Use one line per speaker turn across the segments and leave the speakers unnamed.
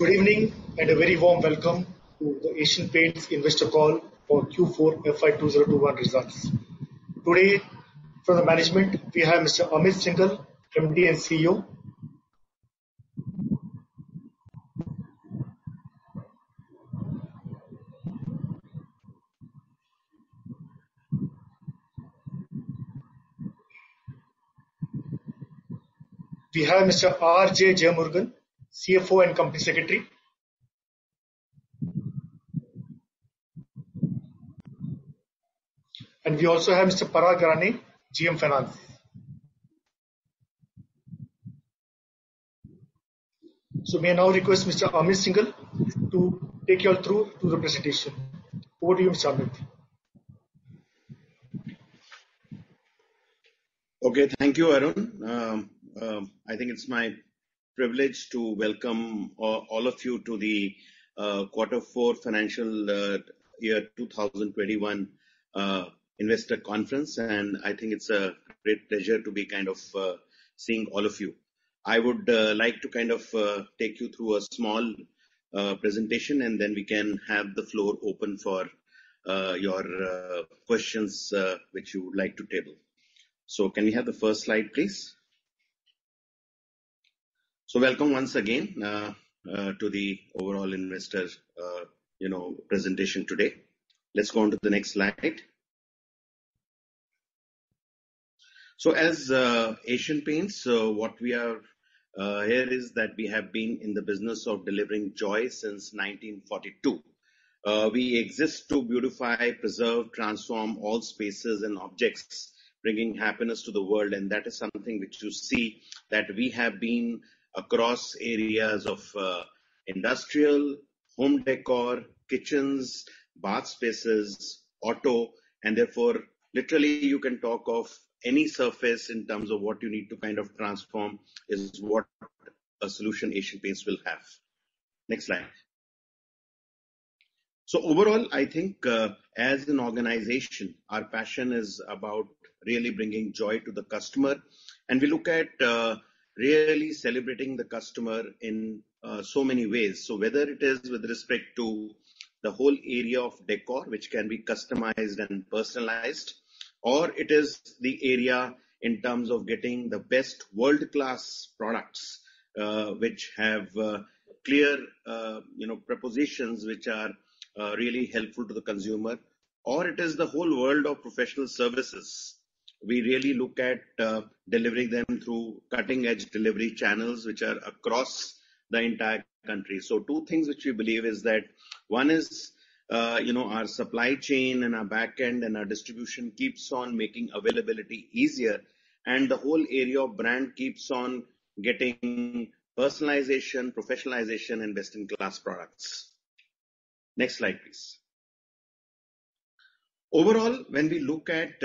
Good evening and a very warm welcome to the Asian Paints investor call for Q4 FY 2020/2021 results. Today, from the management, we have Mr. Amit Syngle, MD and CEO. We have Mr. R. J. Jeyamurugan, CFO and Company Secretary. We also have Mr. Parag Rane, GM Finance. May I now request Mr. Amit Syngle to take you all through to the presentation. Over to you, Mr. Amit.
Okay, thank you, Arun. I think it's my privilege to welcome all of you to the Quarter 4 Financial Year 2021 investor conference. I think it's a great pleasure to be kind of seeing all of you. I would like to kind of take you through a small presentation. Then we can have the floor open for your questions which you would like to table. Can we have the first slide, please? Welcome once again to the overall investor presentation today. Let's go on to the next slide. As Asian Paints, what we are here is that we have been in the business of delivering joy since 1942. We exist to beautify, preserve, transform all spaces and objects, bringing happiness to the world, and that is something which you see that we have been across areas of industrial, home decor, kitchens, bath spaces, auto, and therefore, literally, you can talk of any surface in terms of what you need to kind of transform is what a solution Asian Paints will have. Next slide. Overall, I think as an organization, our passion is about really bringing joy to the customer, and we look at really celebrating the customer in so many ways. Whether it is with respect to the whole area of decor, which can be customized and personalized, or it is the area in terms of getting the best world-class products which have clear propositions which are really helpful to the consumer, or it is the whole world of professional services. We really look at delivering them through cutting-edge delivery channels which are across the entire country. Two things which we believe is that one is our supply chain and our backend and our distribution keeps on making availability easier, and the whole area of brand keeps on getting personalization, professionalization, and best-in-class products. Next slide, please. When we look at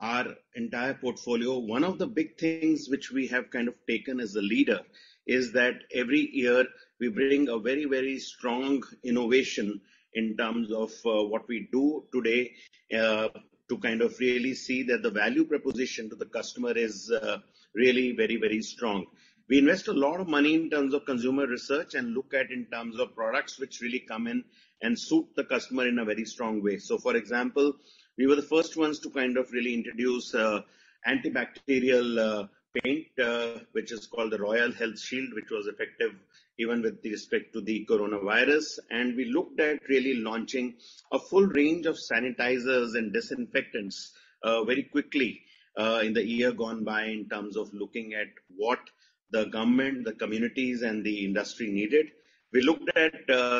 our entire portfolio, one of the big things which we have kind of taken as a leader is that every year we bring a very, very strong innovation in terms of what we do today to kind of really see that the value proposition to the customer is really very, very strong. We invest a lot of money in terms of consumer research and look at in terms of products which really come in and suit the customer in a very strong way. For example, we were the first ones to kind of really introduce antibacterial paint which is called the Royale Health Shield, which was effective even with respect to the coronavirus. We looked at really launching a full range of sanitizers and disinfectants very quickly in the year gone by in terms of looking at what the government, the communities, and the industry needed. We looked at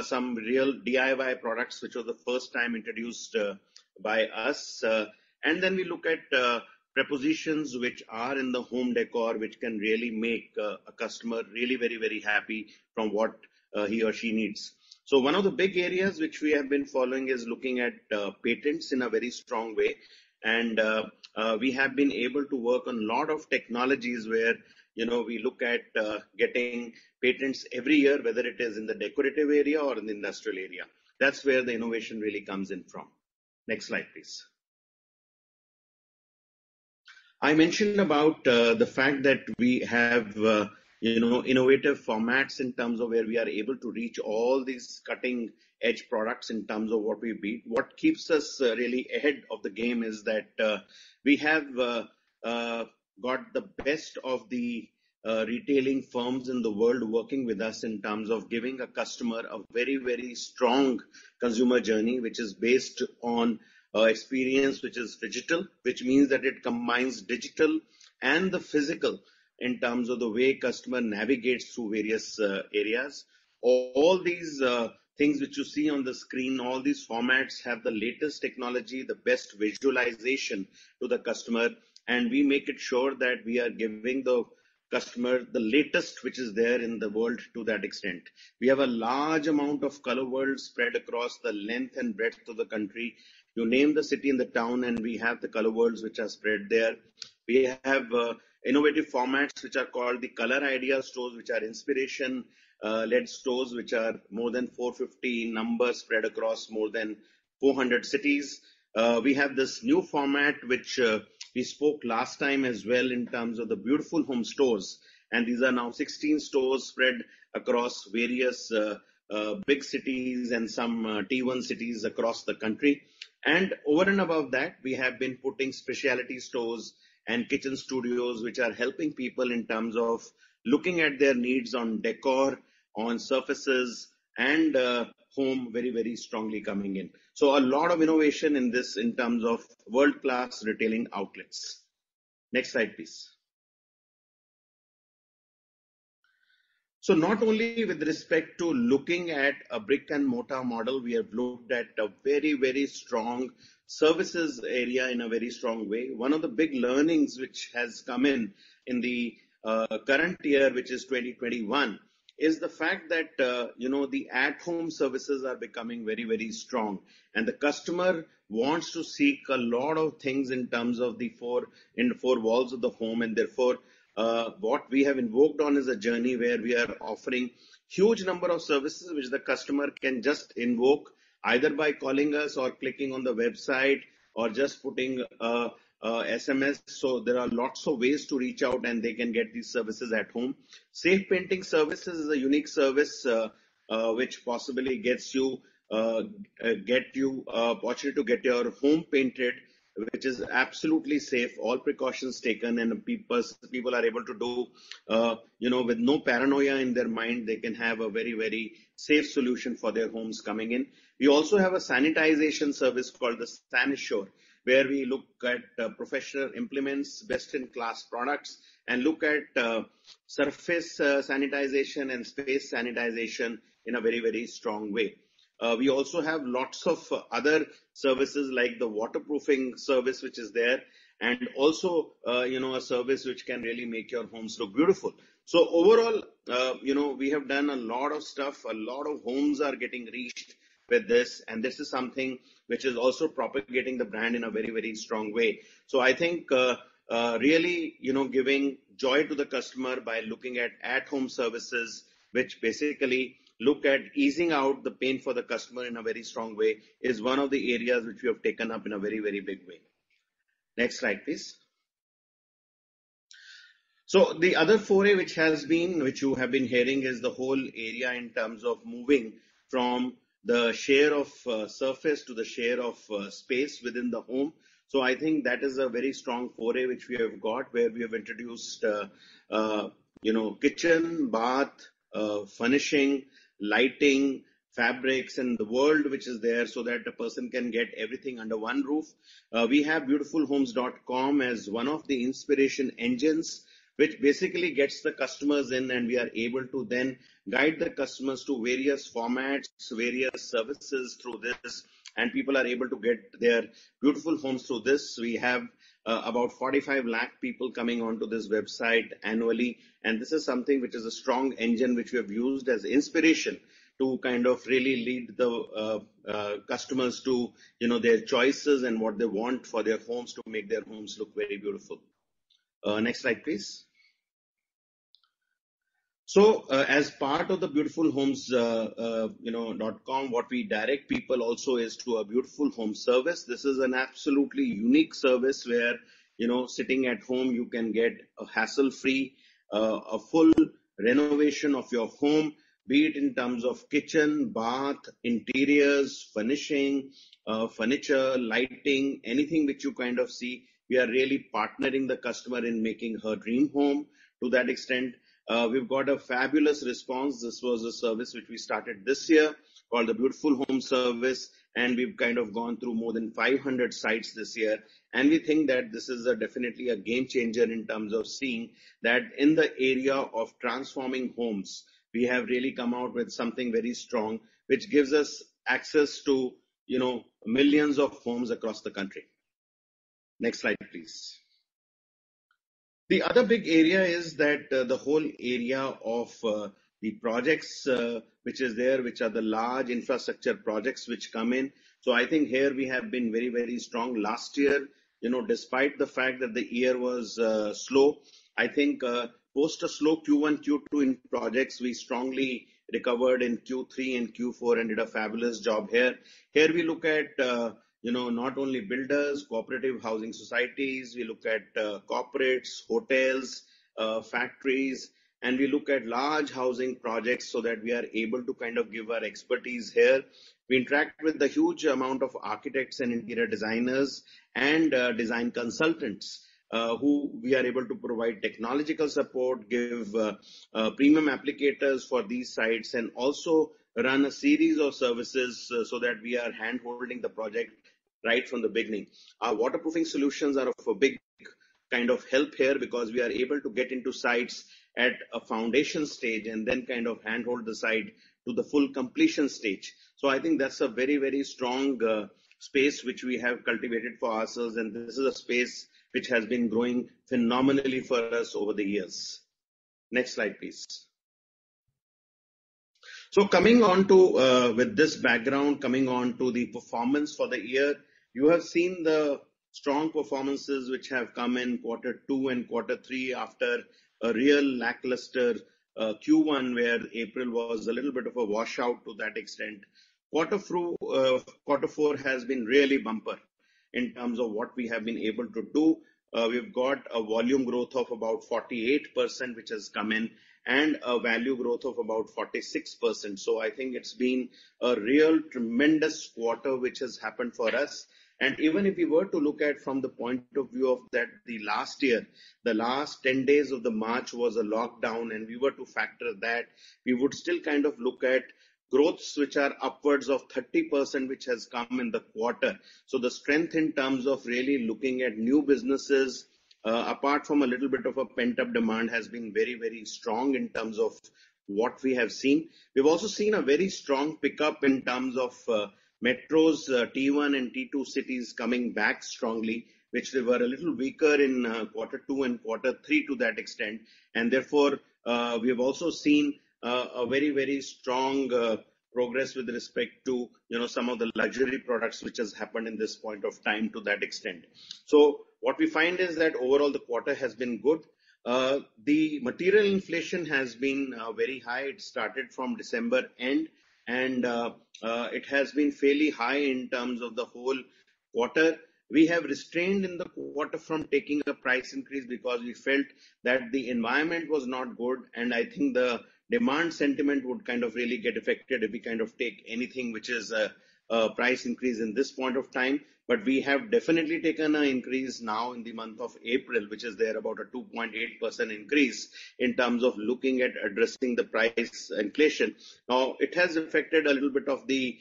some real DIY products which were the first time introduced by us. Then we look at propositions which are in the home decor which can really make a customer really very, very happy from what he or she needs. One of the big areas which we have been following is looking at patents in a very strong way, and we have been able to work on a lot of technologies where we look at getting patents every year, whether it is in the decorative area or in the industrial area. That's where the innovation really comes in from. Next slide, please. I mentioned about the fact that we have innovative formats in terms of where we are able to reach all these cutting-edge products in terms of what we beat. What keeps us really ahead of the game is that we have got the best of the retailing firms in the world working with us in terms of giving a customer a very, very strong consumer journey which is based on experience which is digital, which means that it combines digital and the physical in terms of the way customer navigates through various areas. All these things which you see on the screen, all these formats have the latest technology, the best visualization to the customer, and we make it sure that we are giving the customer the latest which is there in the world to that extent. We have a large amount of Colour Worlds spread across the length and breadth of the country. You name the city and the town, and we have the Colour Worlds which are spread there. We have innovative formats which are called the Colour Idea Stores which are inspiration-led stores which are more than 450 numbers spread across more than 400 cities. We have this new format which we spoke last time as well in terms of the Beautiful Homes Stores, these are now 16 stores spread across various big cities and some T1 cities across the country. Over and above that, we have been putting specialty stores and kitchen studios which are helping people in terms of looking at their needs on décor, on surfaces, and home very, very strongly coming in. A lot of innovation in this in terms of world-class retailing outlets. Next slide, please. Not only with respect to looking at a brick-and-mortar model, we have looked at a very, very strong services area in a very strong way. One of the big learnings which has come in in the current year, which is 2021, is the fact that the at-home services are becoming very, very strong, and the customer wants to seek a lot of things in terms of the four walls of the home, and therefore, what we have invoked on is a journey where we are offering a huge number of services which the customer can just invoke either by calling us or clicking on the website or just putting an SMS. There are lots of ways to reach out, and they can get these services at home. Safe Painting Services is a unique service which possibly gets you the opportunity to get your home painted, which is absolutely safe, all precautions taken, and people are able to do with no paranoia in their mind, they can have a very, very safe solution for their homes coming in. We also have a sanitization service called the San Assure where we look at professional implements, best-in-class products, and look at surface sanitization and space sanitization in a very, very strong way. We also have lots of other services like the waterproofing service which is there and also a service which can really make your homes look beautiful. Overall, we have done a lot of stuff. A lot of homes are getting reached with this, and this is something which is also propagating the brand in a very, very strong way. I think really giving joy to the customer by looking at at-home services which basically look at easing out the pain for the customer in a very strong way is one of the areas which we have taken up in a very, very big way. Next slide, please. The other foray which has been which you have been hearing is the whole area in terms of moving from the share of surface to the share of space within the home. I think that is a very strong foray which we have got where we have introduced kitchen, bath, furnishing, lighting, fabrics in the world which is there so that a person can get everything under one roof. We have BeautifulHomes.com as one of the inspiration engines which basically gets the customers in, and we are able to then guide the customers to various formats, various services through this, and people are able to get their beautiful homes through this. We have about 45 lakh people coming onto this website annually, and this is something which is a strong engine which we have used as inspiration to kind of really lead the customers to their choices and what they want for their homes to make their homes look very beautiful. Next slide, please. As part of the BeautifulHomes.com, what we direct people also is to a Beautiful Homes Painting Service. This is an absolutely unique service where sitting at home, you can get a hassle-free, a full renovation of your home, be it in terms of kitchen, bath, interiors, furnishing, furniture, lighting, anything which you kind of see. We are really partnering the customer in making her dream home to that extent. We've got a fabulous response. This was a service which we started this year called the Beautiful Home Service, and we've kind of gone through more than 500 sites this year, and we think that this is definitely a game changer in terms of seeing that in the area of transforming homes, we have really come out with something very strong which gives us access to millions of homes across the country. Next slide, please. The other big area is that the whole area of the projects which is there, which are the large infrastructure projects which come in. I think here we have been very, very strong last year. Despite the fact that the year was slow, I think post a slow Q1, Q2 in projects, we strongly recovered in Q3 and Q4 and did a fabulous job here. We look at not only builders, cooperative housing societies, we look at corporates, hotels, factories, and we look at large housing projects so that we are able to kind of give our expertise here. We interact with a huge amount of architects and interior designers and design consultants who we are able to provide technological support, give premium applicators for these sites, and also run a series of services so that we are handholding the project right from the beginning. Our waterproofing solutions are of a big kind of help here because we are able to get into sites at a foundation stage and then kind of handhold the site to the full completion stage. I think that's a very, very strong space which we have cultivated for ourselves, and this is a space which has been growing phenomenally for us over the years. Next slide, please. Coming onto with this background, coming onto the performance for the year, you have seen the strong performances which have come in Q2 and Q3 after a real lackluster Q1 where April was a little bit of a washout to that extent. Q4 has been really bumper in terms of what we have been able to do. We've got a volume growth of about 48% which has come in and a value growth of about 46%. I think it's been a real tremendous quarter which has happened for us. Even if we were to look at from the point of view of that the last year, the last 10 days of the March was a lockdown, and we were to factor that, we would still kind of look at growths which are upwards of 30% which has come in the quarter. The strength in terms of really looking at new businesses, apart from a little bit of a pent-up demand, has been very, very strong in terms of what we have seen. We've also seen a very strong pickup in terms of metros, T1 and T2 cities coming back strongly, which they were a little weaker in Q2 and Q3 to that extent. Therefore, we have also seen a very, very strong progress with respect to some of the luxury products which has happened in this point of time to that extent. What we find is that overall the quarter has been good. The material inflation has been very high. It started from December end, and it has been fairly high in terms of the whole quarter. We have restrained in the quarter from taking a price increase because we felt that the environment was not good, and I think the demand sentiment would kind of really get affected if we kind of take anything which is a price increase in this point of time. We have definitely taken an increase now in the month of April, which is there about a 2.8% increase in terms of looking at addressing the price inflation. It has affected a little bit of the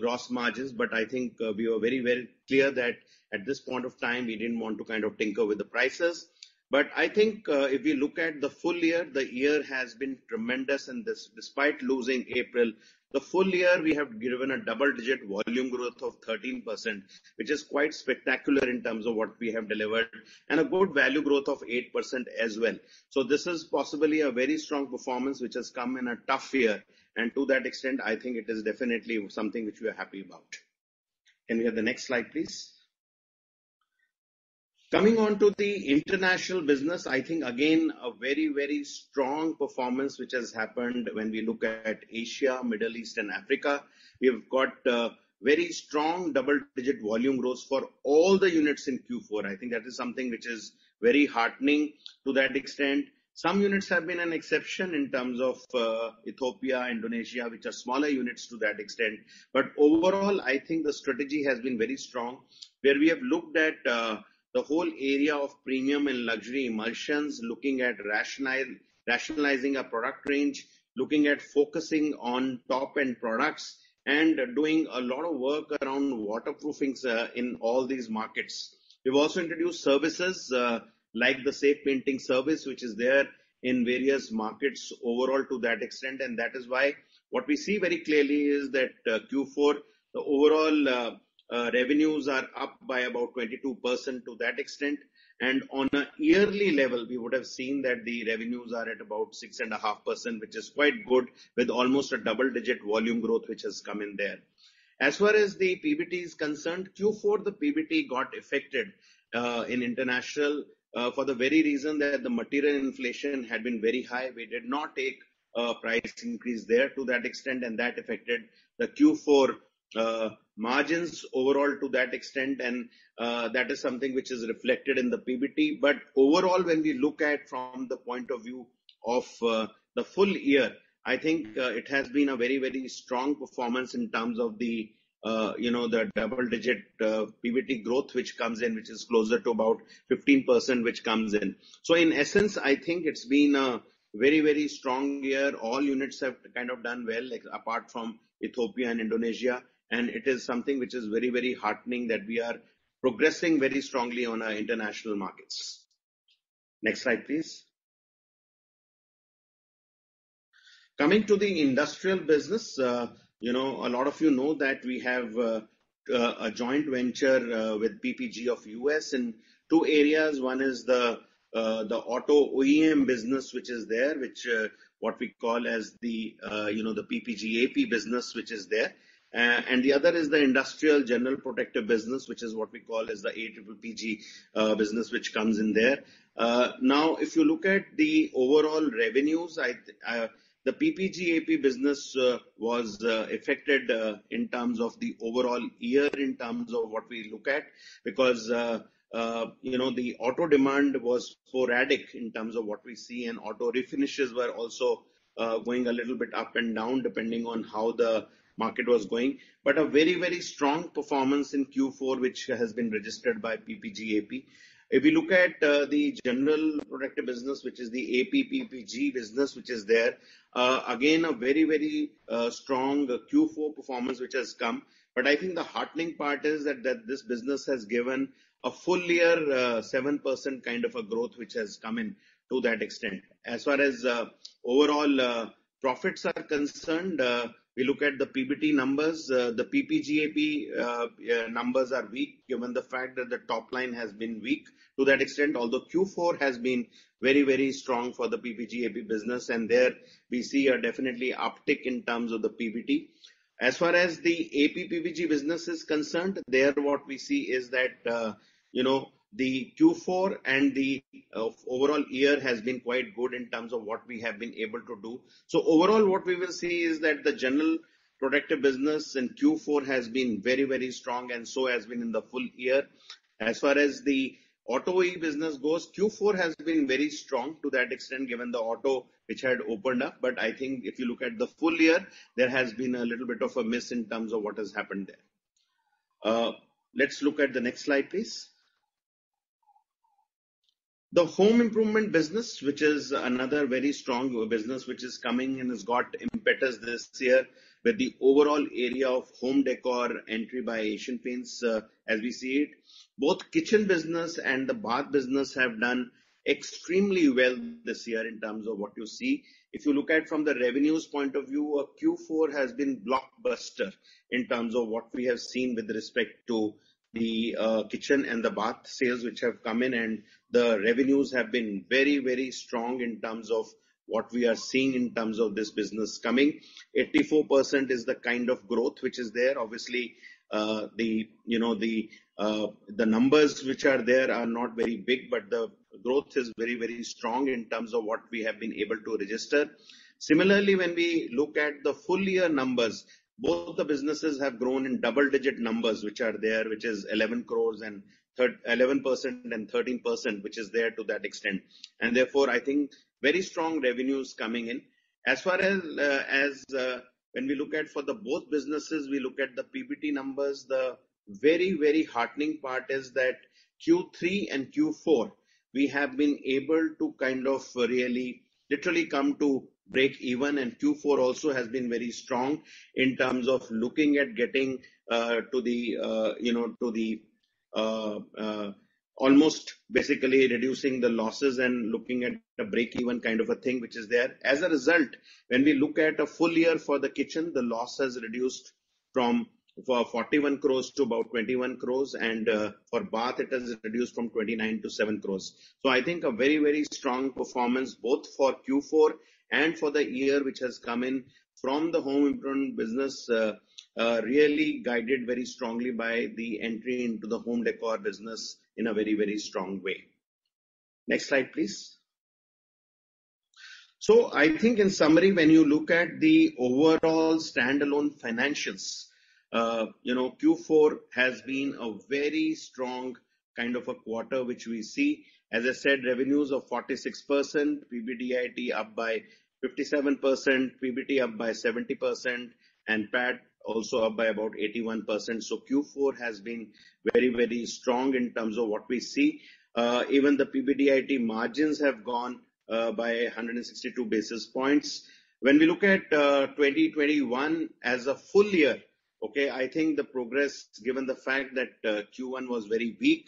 gross margins, but I think we were very, very clear that at this point of time, we didn't want to kind of tinker with the prices. I think if we look at the full year, the year has been tremendous, and despite losing April, the full year, we have given a double-digit volume growth of 13%, which is quite spectacular in terms of what we have delivered, and a good value growth of 8% as well. This is possibly a very strong performance which has come in a tough year, and to that extent, I think it is definitely something which we are happy about. Can we have the next slide, please? Coming onto the international business, I think again, a very, very strong performance which has happened when we look at Asia, Middle East, and Africa. We have got very strong double-digit volume growth for all the units in Q4. I think that is something which is very heartening to that extent. Some units have been an exception in terms of Ethiopia, Indonesia, which are smaller units to that extent. Overall, I think the strategy has been very strong where we have looked at the whole area of premium and luxury emulsions, looking at rationalizing a product range, looking at focusing on top-end products, and doing a lot of work around waterproofings in all these markets. We've also introduced services like the safe painting service which is there in various markets overall to that extent. That is why what we see very clearly is that Q4, the overall revenues are up by about 22% to that extent. On a yearly level, we would have seen that the revenues are at about 6.5%, which is quite good with almost a double-digit volume growth which has come in there. As far as the PBT is concerned, Q4, the PBT got affected in international for the very reason that the material inflation had been very high. We did not take a price increase there to that extent. That affected the Q4 margins overall to that extent. That is something which is reflected in the PBT. Overall, when we look at from the point of view of the full year, I think it has been a very, very strong performance in terms of the double-digit PBT growth, which is closer to about 15%. In essence, I think it's been a very, very strong year. All units have kind of done well apart from Ethiopia and Indonesia. It is something which is very, very heartening that we are progressing very strongly on our international markets. Next slide, please. Coming to the industrial business, you know a lot of you know that we have a joint venture with PPG of U.S. in two areas. One is the auto OEM business which is there, which what we call as the PPGAP business which is there. The other is the industrial general protective business which is what we call as the APPG business which comes in there. If you look at the overall revenues, the PPGAP business was affected in terms of the overall year in terms of what we look at because the auto demand was sporadic in terms of what we see, and auto refinishes were also going a little bit up and down depending on how the market was going. A very, very strong performance in Q4 which has been registered by PPGAP. If we look at the general protective business which is the APPG business which is there, again, a very, very strong Q4 performance which has come. I think the heartening part is that this business has given a full year 7% kind of a growth which has come in to that extent. As far as overall profits are concerned, we look at the PBT numbers. The PPGAP numbers are weak given the fact that the top line has been weak to that extent, although Q4 has been very, very strong for the PPGAP business, and there we see a definitely uptick in terms of the PBT. As far as the APPG business is concerned, there what we see is that you know the Q4 and the overall year has been quite good in terms of what we have been able to do. Overall, what we will see is that the general protective business in Q4 has been very, very strong, and so has been in the full year. As far as the auto OEM business goes, Q4 has been very strong to that extent given the auto which had opened up. I think if you look at the full year, there has been a little bit of a miss in terms of what has happened there. Let's look at the next slide, please. The home improvement business, which is another very strong business which is coming and has got impetus this year with the overall area of home decor entry by Asian Paints as we see it. Both kitchen business and the bath business have done extremely well this year in terms of what you see. If you look at from the revenues point of view, Q4 has been blockbuster in terms of what we have seen with respect to the kitchen and the bath sales which have come in, and the revenues have been very, very strong in terms of what we are seeing in terms of this business coming. 84% is the kind of growth which is there. Obviously, the numbers which are there are not very big, but the growth is very, very strong in terms of what we have been able to register. Similarly, when we look at the full year numbers, both the businesses have grown in double-digit numbers which are there, which is 11% and 13% which is there to that extent. Therefore, I think very strong revenues coming in. As far as when we look at for both businesses, we look at the PBT numbers, the very, very heartening part is that Q3 and Q4, we have been able to kind of really literally come to break even, and Q4 also has been very strong in terms of looking at getting to the almost basically reducing the losses and looking at a break-even kind of a thing which is there. As a result, when we look at a full year for the kitchen, the loss has reduced from 41 crores to about 21 crores, and for bath, it has reduced from 29 crores to 7 crores. I think a very, very strong performance both for Q4 and for the year which has come in from the home improvement business really guided very strongly by the entry into the home decor business in a very, very strong way. Next slide, please. I think in summary, when you look at the overall standalone financials, you know Q4 has been a very strong kind of a quarter which we see. As I said, revenues of 46%, PBDIT up by 57%, PBT up by 70%, and PAT also up by about 81%. Q4 has been very strong in terms of what we see. Even the PBDIT margins have gone by 162 basis points. When we look at 2021 as a full year, okay I think the progress given the fact that Q1 was very weak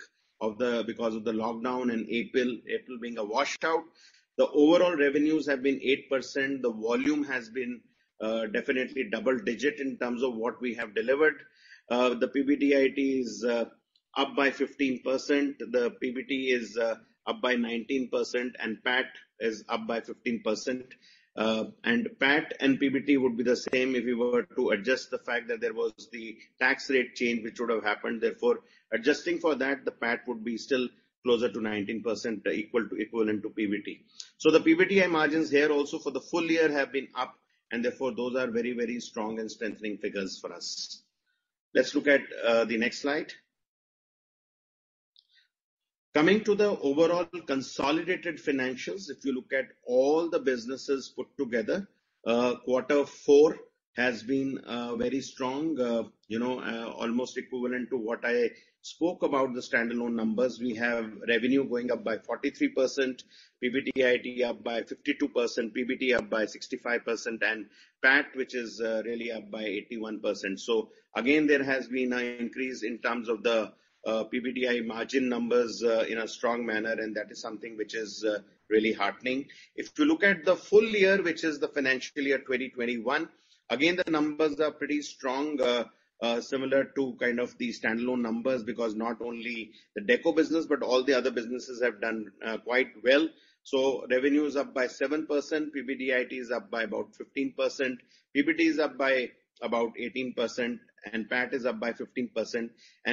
because of the lockdown and April being a washout. The overall revenues have been 8%. The volume has been definitely double-digit in terms of what we have delivered. The PBDIT is up by 15%. The PBT is up by 19%, and PAT is up by 15%. PAT and PBT would be the same if we were to adjust the fact that there was the tax rate change which would have happened. Adjusting for that, the PAT would be still closer to 19% equivalent to PBT. The PBDIT margins here also for the full year have been up. Those are very, very strong and strengthening figures for us. Let's look at the next slide. Coming to the overall consolidated financials, if you look at all the businesses put together, Q4 has been very strong, you know almost equivalent to what I spoke about the standalone numbers. We have revenue going up by 43%, PBDIT up by 52%, PBT up by 65%, and PAT which is really up by 81%. Again, there has been an increase in terms of the PBDIT margin numbers in a strong manner, and that is something which is really heartening. If you look at the full year, which is the financial year 2021, again, the numbers are pretty strong, similar to kind of the standalone numbers because not only the deco business but all the other businesses have done quite well. Revenue is up by 7%, PBDIT is up by about 15%, PBT is up by about 18%, and PAT is up by 15%.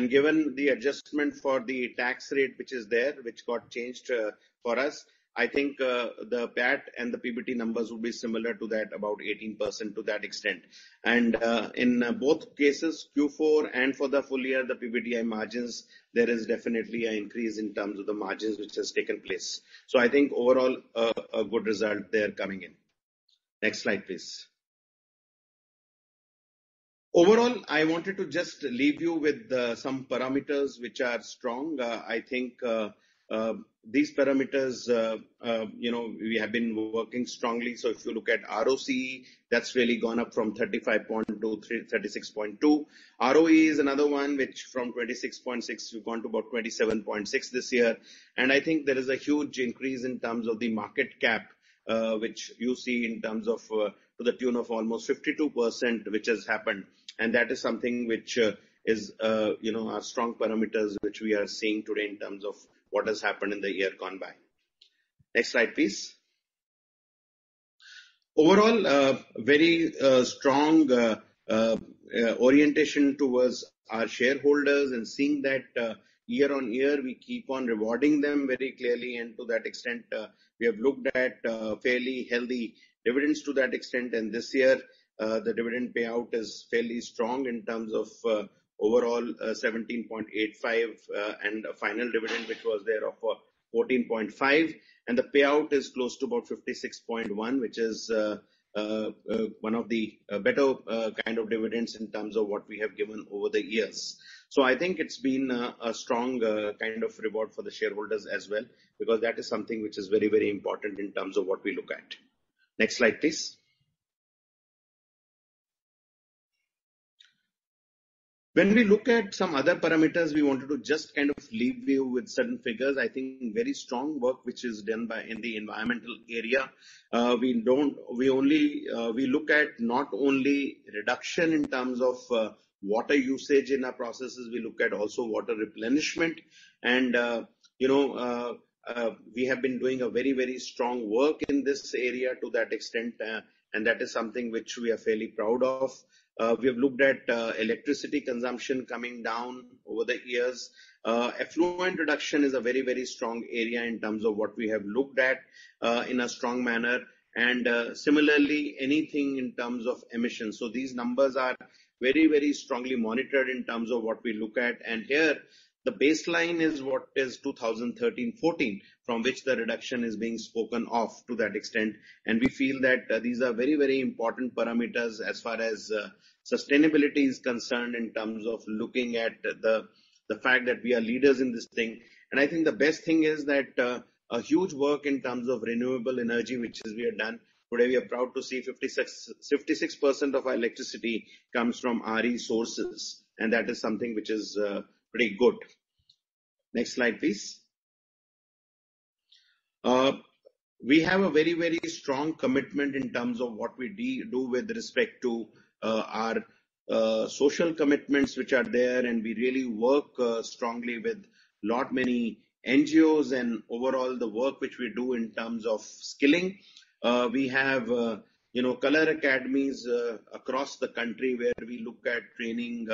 Given the adjustment for the tax rate which is there, which got changed for us, I think the PAT and the PBT numbers would be similar to that, about 18% to that extent. In both cases, Q4 and for the full year, the PBDIT margins, there is definitely an increase in terms of the margins which has taken place. I think overall a good result there coming in. Next slide, please. Overall, I wanted to just leave you with some parameters which are strong. I think these parameters, you know we have been working strongly. If you look at ROCE, that's really gone up from 35.2%-36.2%. ROE is another one which from 26.6%, we've gone to about 27.6% this year. I think there is a huge increase in terms of the market cap which you see in terms of to the tune of almost 52% which has happened. That is something which is you know our strong parameters which we are seeing today in terms of what has happened in the year gone by. Next slide, please. Overall, very strong orientation towards our shareholders and seeing that year-over-year, we keep on rewarding them very clearly, and to that extent, we have looked at fairly healthy dividends to that extent. This year, the dividend payout is fairly strong in terms of overall 17.85 and a final dividend which was there of 14.5. The payout is close to about 56.1%, which is one of the better kind of dividends in terms of what we have given over the years. I think it's been a strong kind of reward for the shareholders as well because that is something which is very, very important in terms of what we look at. Next slide, please. When we look at some other parameters, we wanted to just kind of leave you with certain figures. I think very strong work which is done in the environmental area. We only look at not only reduction in terms of water usage in our processes, we look at also water replenishment. You know we have been doing a very, very strong work in this area to that extent, and that is something which we are fairly proud of. We have looked at electricity consumption coming down over the years. Effluent reduction is a very, very strong area in terms of what we have looked at in a strong manner. Similarly, anything in terms of emissions. These numbers are very, very strongly monitored in terms of what we look at. Here, the baseline is what is 2013-14 from which the reduction is being spoken of to that extent. We feel that these are very, very important parameters as far as sustainability is concerned in terms of looking at the fact that we are leaders in this thing. I think the best thing is that a huge work in terms of renewable energy which we have done today, we are proud to see 56% of our electricity comes from RE sources. That is something which is pretty good. Next slide, please. We have a very, very strong commitment in terms of what we do with respect to our social commitments which are there, and we really work strongly with a lot many NGOs and overall the work which we do in terms of skilling. We have you know Colour Academies across the country where we look at training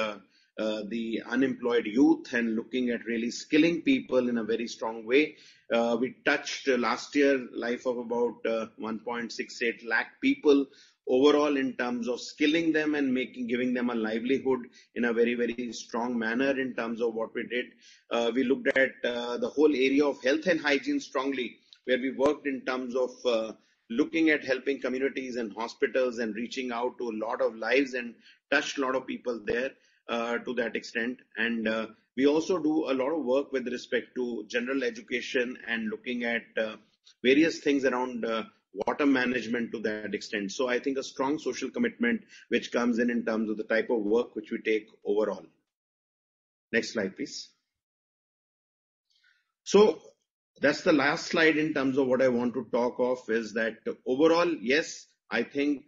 the unemployed youth and looking at really skilling people in a very strong way. We touched last year the life of about 1.68 lakh people overall in terms of skilling them and giving them a livelihood in a very, very strong manner in terms of what we did. We looked at the whole area of health and hygiene strongly where we worked in terms of looking at helping communities and hospitals and reaching out to a lot of lives and touched a lot of people there to that extent. We also do a lot of work with respect to general education and looking at various things around water management to that extent. I think a strong social commitment which comes in in terms of the type of work which we take overall. Next slide, please. That's the last slide in terms of what I want to talk of is that overall, yes, I think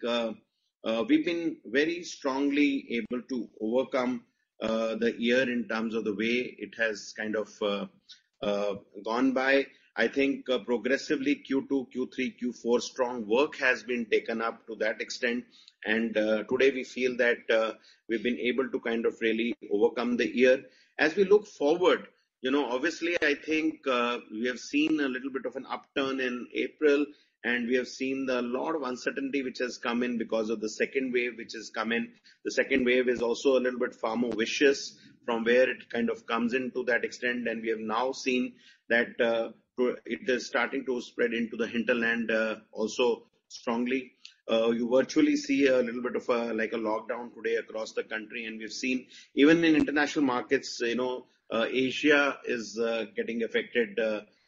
we've been very strongly able to overcome the year in terms of the way it has kind of gone by. I think progressively Q2, Q3, Q4 strong work has been taken up to that extent. Today we feel that we've been able to kind of really overcome the year. As we look forward, you know obviously I think we have seen a little bit of an upturn in April, and we have seen a lot of uncertainty which has come in because of the second wave which has come in. The second wave is also a little bit far more vicious from where it kind of comes in to that extent. We have now seen that it is starting to spread into the hinterland also strongly. You virtually see a little bit of a like a lockdown today across the country. We've seen even in international markets, you know Asia is getting affected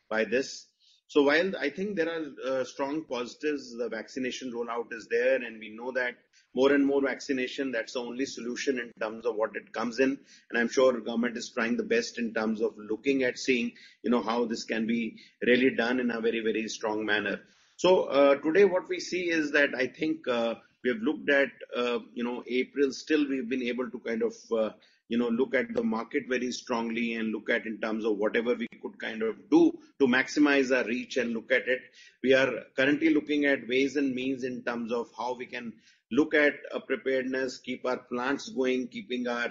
by this. While I think there are strong positives, the vaccination rollout is there, and we know that. More and more vaccination, that's the only solution in terms of what it comes in. I'm sure the government is trying the best in terms of looking at seeing you know how this can be really done in a very strong manner. Today what we see is that I think we have looked at you know April, still we've been able to kind of you know look at the market very strongly and look at in terms of whatever we could kind of do to maximize our reach and look at it. We are currently looking at ways and means in terms of how we can look at preparedness, keep our plants going, keeping our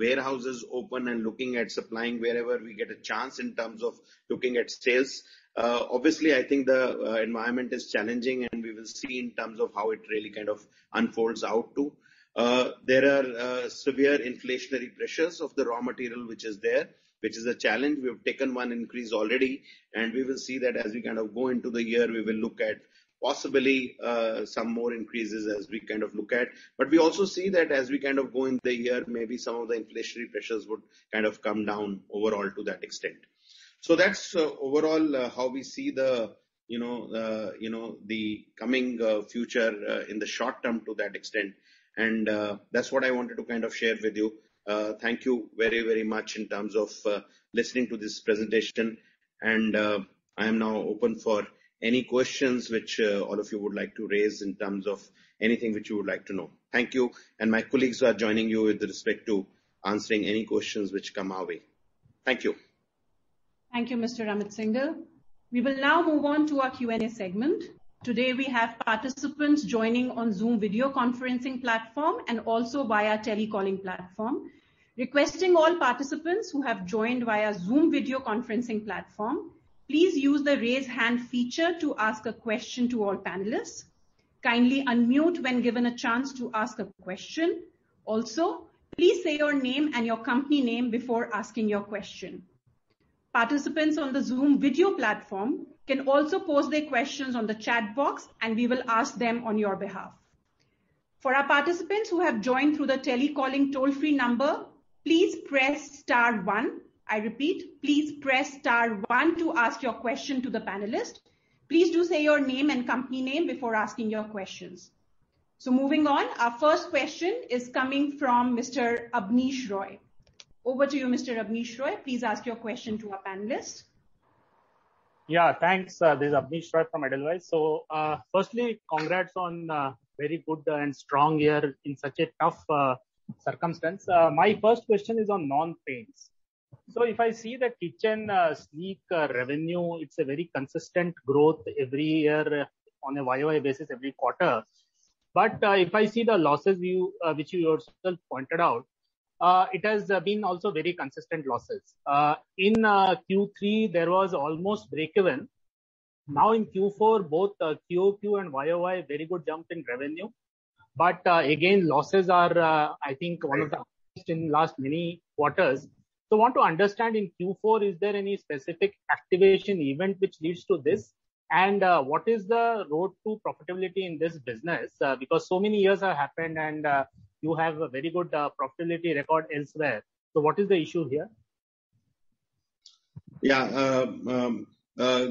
warehouses open, and looking at supplying wherever we get a chance in terms of looking at sales. I think the environment is challenging, we will see in terms of how it really kind of unfolds out too. There are severe inflationary pressures of the raw material which is there, which is a challenge. We have taken one increase already, we will see that as we kind of go into the year, we will look at possibly some more increases as we kind of look at. We also see that as we kind of go into the year, maybe some of the inflationary pressures would kind of come down overall to that extent. That's overall how we see the you know the coming future in the short term to that extent. That's what I wanted to kind of share with you. Thank you very, very much in terms of listening to this presentation. I am now open for any questions which all of you would like to raise in terms of anything which you would like to know. Thank you. My colleagues are joining you with respect to answering any questions which come our way. Thank you.
Thank you, Mr. Amit Syngle. We will now move on to our Q&A segment. Today, we have participants joining on Zoom video conferencing platform and also via telecalling platform. Kindly unmute when given a chance to ask a question. Also, please say your name and your company name before asking your question. Participants on the Zoom video platform can also post their questions on the chat box, and we will ask them on your behalf. For our participants who have joined through the telecalling toll-free number, please press star one. I repeat, please press star one to ask your question to the panelists. Please do say your name and company name before asking your questions. Moving on, our first question is coming from Mr. Abneesh Roy. Over to you, Mr. Abneesh Roy. Please ask your question to our panelists.
Yeah, thanks. This is Abneesh Roy from Edelweiss. Firstly, congrats on a very good and strong year in such a tough circumstance. My first question is on non-paints. If I see the kitchen Sleek revenue, it's a very consistent growth every year on a YoY basis every quarter. If I see the losses which you yourself pointed out, it has been also very consistent losses. In Q3, there was almost break-even. In Q4, both QOQ and YoY, very good jump in revenue. Again, losses are, I think, one of the highest in the last many quarters. I want to understand in Q4, is there any specific activation event which leads to this? What is the road to profitability in this business? So many years have happened, and you have a very good profitability record elsewhere. What is the issue here?
Yeah,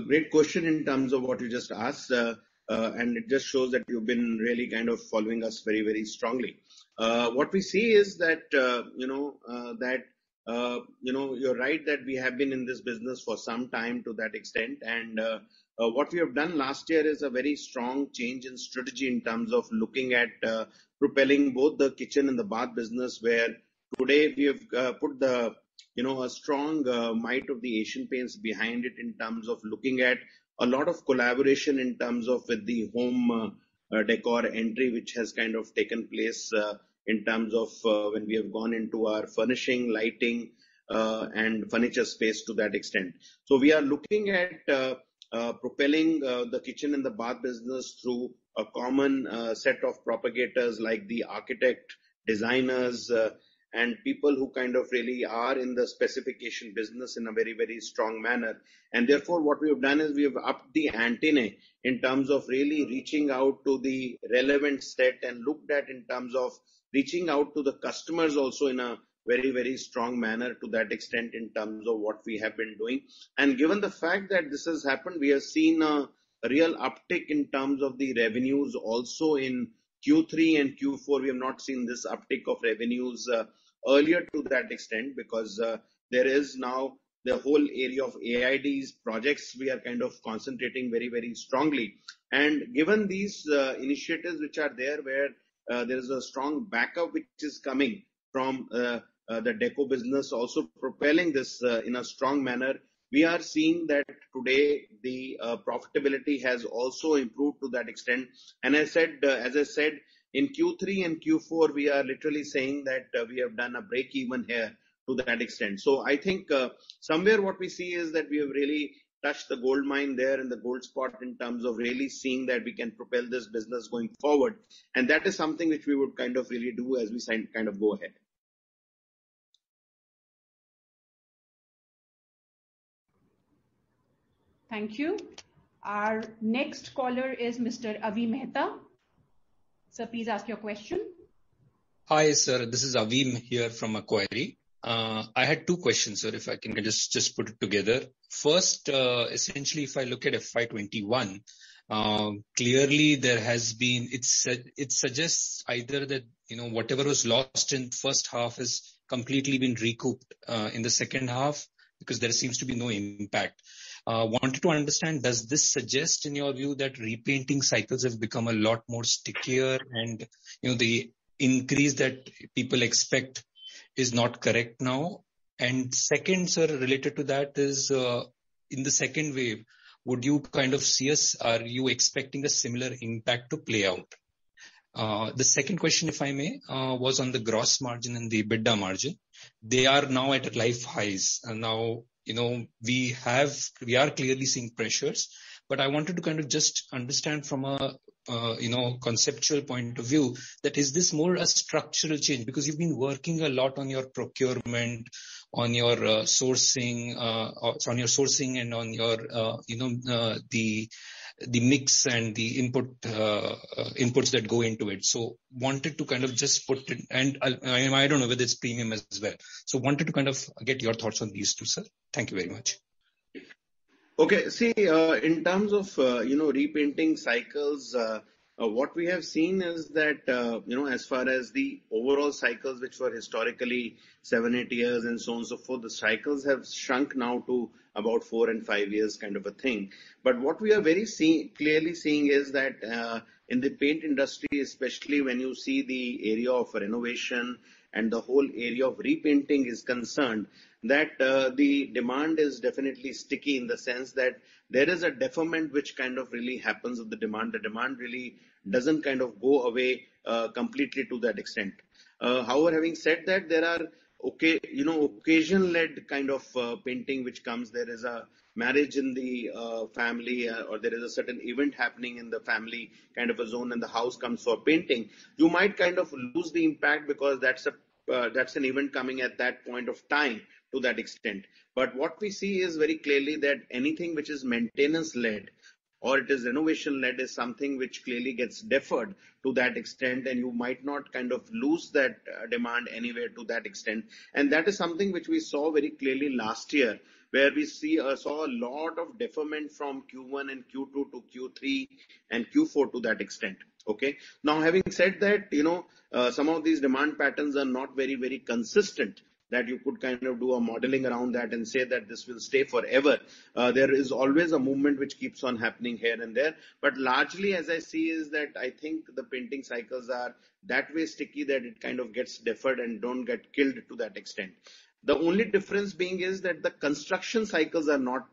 great question in terms of what you just asked. It just shows that you've been really kind of following us very, very strongly. What we see is that you know that you know you're right that we have been in this business for some time to that extent. What we have done last year is a very strong change in strategy in terms of looking at propelling both the kitchen and the bath business where today we have put the you know a strong might of the Asian Paints behind it in terms of looking at a lot of collaboration in terms of with the home decor entry which has kind of taken place in terms of when we have gone into our furnishing, lighting, and furniture space to that extent. We are looking at propelling the kitchen and the bath business through a common set of propagators like the architect, designers, and people who kind of really are in the specification business in a very, very strong manner. Therefore, what we have done is we have upped the ante in terms of really reaching out to the relevant set and looked at in terms of reaching out to the customers also in a very, very strong manner to that extent in terms of what we have been doing. Given the fact that this has happened, we have seen a real uptick in terms of the revenues also in Q3 and Q4. We have not seen this uptick of revenues earlier to that extent because there is now the whole area of IDs projects we are kind of concentrating very, very strongly. Given these initiatives which are there where there is a strong backup which is coming from the deco business also propelling this in a strong manner, we are seeing that today the profitability has also improved to that extent. As I said, in Q3 and Q4, we are literally saying that we have done a break-even here to that extent. I think somewhere what we see is that we have really touched the gold mine there and the gold spot in terms of really seeing that we can propel this business going forward. That is something which we would kind of really do as we kind of go ahead.
Thank you. Our next caller is Mr. Avi Mehta. Sir, please ask your question.
Hi, sir. This is Avi here from Macquarie. I had two questions, sir, if I can just put it together. First, essentially, if I look at FY 2021, clearly there has been it suggests either that you know whatever was lost in the first half has completely been recouped in the second half because there seems to be no impact. I wanted to understand, does this suggest in your view that repainting cycles have become a lot more stickier and you know the increase that people expect is not correct now? Second, sir, related to that is, in the second wave, would you kind of see, are you expecting a similar impact to play out? The second question, if I may, was on the gross margin and the EBITDA margin. They are now at life highs. You know we are clearly seeing pressures. I wanted to kind of just understand from a you know conceptual point of view that is this more a structural change? You've been working a lot on your procurement, on your sourcing and on your you know the mix and the input that go into it. I wanted to kind of just put it and I don't know whether it's premium as well. I wanted to kind of get your thoughts on these two, sir. Thank you very much.
Okay. In terms of you know repainting cycles, what we have seen is that you know as far as the overall cycles which were historically seven, eight years and so on and so forth, the cycles have shrunk now to about four and five years kind of a thing. What we are very clearly seeing is that in the paint industry, especially when you see the area of renovation and the whole area of repainting is concerned, that the demand is definitely sticky in the sense that there is a deferment which kind of really happens of the demand. The demand really doesn't kind of go away completely to that extent. Having said that, there are you know occasion-led kind of painting which comes. There is a marriage in the family or there is a certain event happening in the family kind of a zone and the house comes for painting. You might kind of lose the impact because that's an event coming at that point of time to that extent. What we see is very clearly that anything which is maintenance-led or it is renovation-led is something which clearly gets deferred to that extent, and you might not kind of lose that demand anywhere to that extent. That is something which we saw very clearly last year where we saw a lot of deferment from Q1 and Q2 to Q3 and Q4 to that extent. Okay. Having said that, you know some of these demand patterns are not very, very consistent that you could kind of do a modeling around that and say that this will stay forever. There is always a movement which keeps on happening here and there. Largely, as I see, is that I think the painting cycles are that way sticky that it kind of gets deferred and don't get killed to that extent. The only difference being is that the construction cycles are not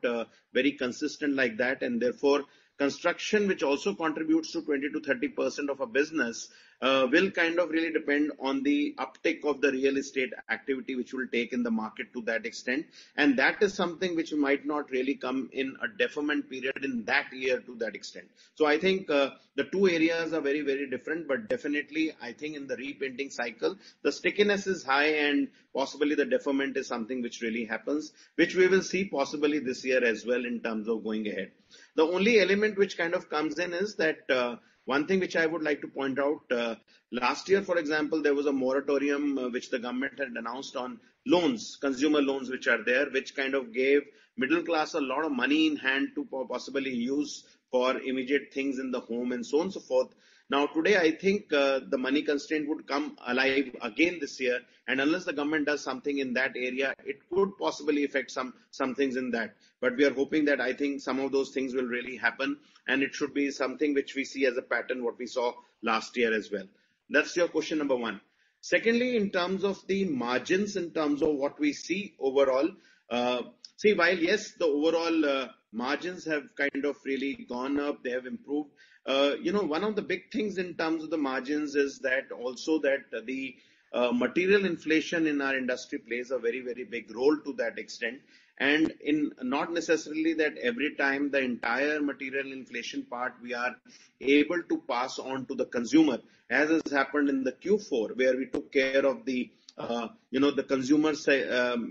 very consistent like that. Therefore, construction which also contributes to 20%-30% of a business will kind of really depend on the uptick of the real estate activity which will take in the market to that extent. That is something which might not really come in a deferment period in that year to that extent. I think the two areas are very, very different. Definitely, I think in the repainting cycle, the stickiness is high and possibly the deferment is something which really happens, which we will see possibly this year as well in terms of going ahead. The only element which kind of comes in is that one thing which I would like to point out, last year, for example, there was a moratorium which the government had announced on loans, consumer loans which are there, which kind of gave middle class a lot of money in hand to possibly use for immediate things in the home and so on and so forth. Today, I think the money constraint would come alive again this year. Unless the government does something in that area, it could possibly affect some things in that. We are hoping that I think some of those things will really happen. It should be something which we see as a pattern what we saw last year as well. That's your question number one. Secondly, in terms of the margins, in terms of what we see overall, see, while, yes, the overall margins have kind of really gone up, they have improved, you know one of the big things in terms of the margins is that also that the material inflation in our industry plays a very big role to that extent. In not necessarily that every time the entire material inflation part we are able to pass on to the consumer, as has happened in the Q4 where we took care of the you know the consumer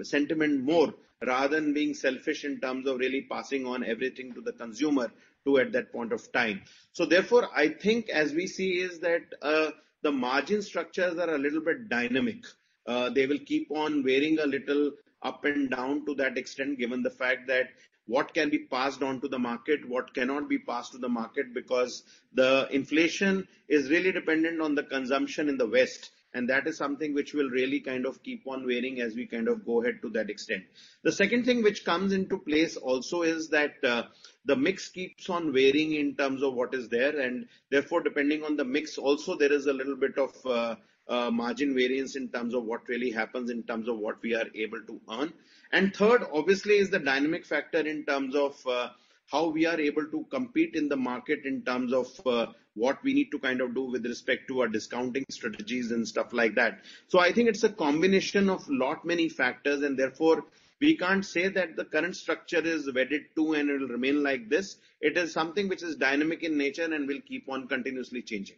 sentiment more rather than being selfish in terms of really passing on everything to the consumer to at that point of time. Therefore, I think as we see is that the margin structures are a little bit dynamic. They will keep on varying a little up and down to that extent given the fact that what can be passed on to the market, what cannot be passed to the market because the inflation is really dependent on the consumption in the West. That is something which will really kind of keep on varying as we kind of go ahead to that extent. The second thing which comes into place also is that the mix keeps on varying in terms of what is there. Therefore, depending on the mix, also there is a little bit of margin variance in terms of what really happens in terms of what we are able to earn. Third, obviously, is the dynamic factor in terms of how we are able to compete in the market in terms of what we need to kind of do with respect to our discounting strategies and stuff like that. I think it's a combination of a lot many factors. Therefore, we can't say that the current structure is wedded to and it will remain like this. It is something which is dynamic in nature and will keep on continuously changing.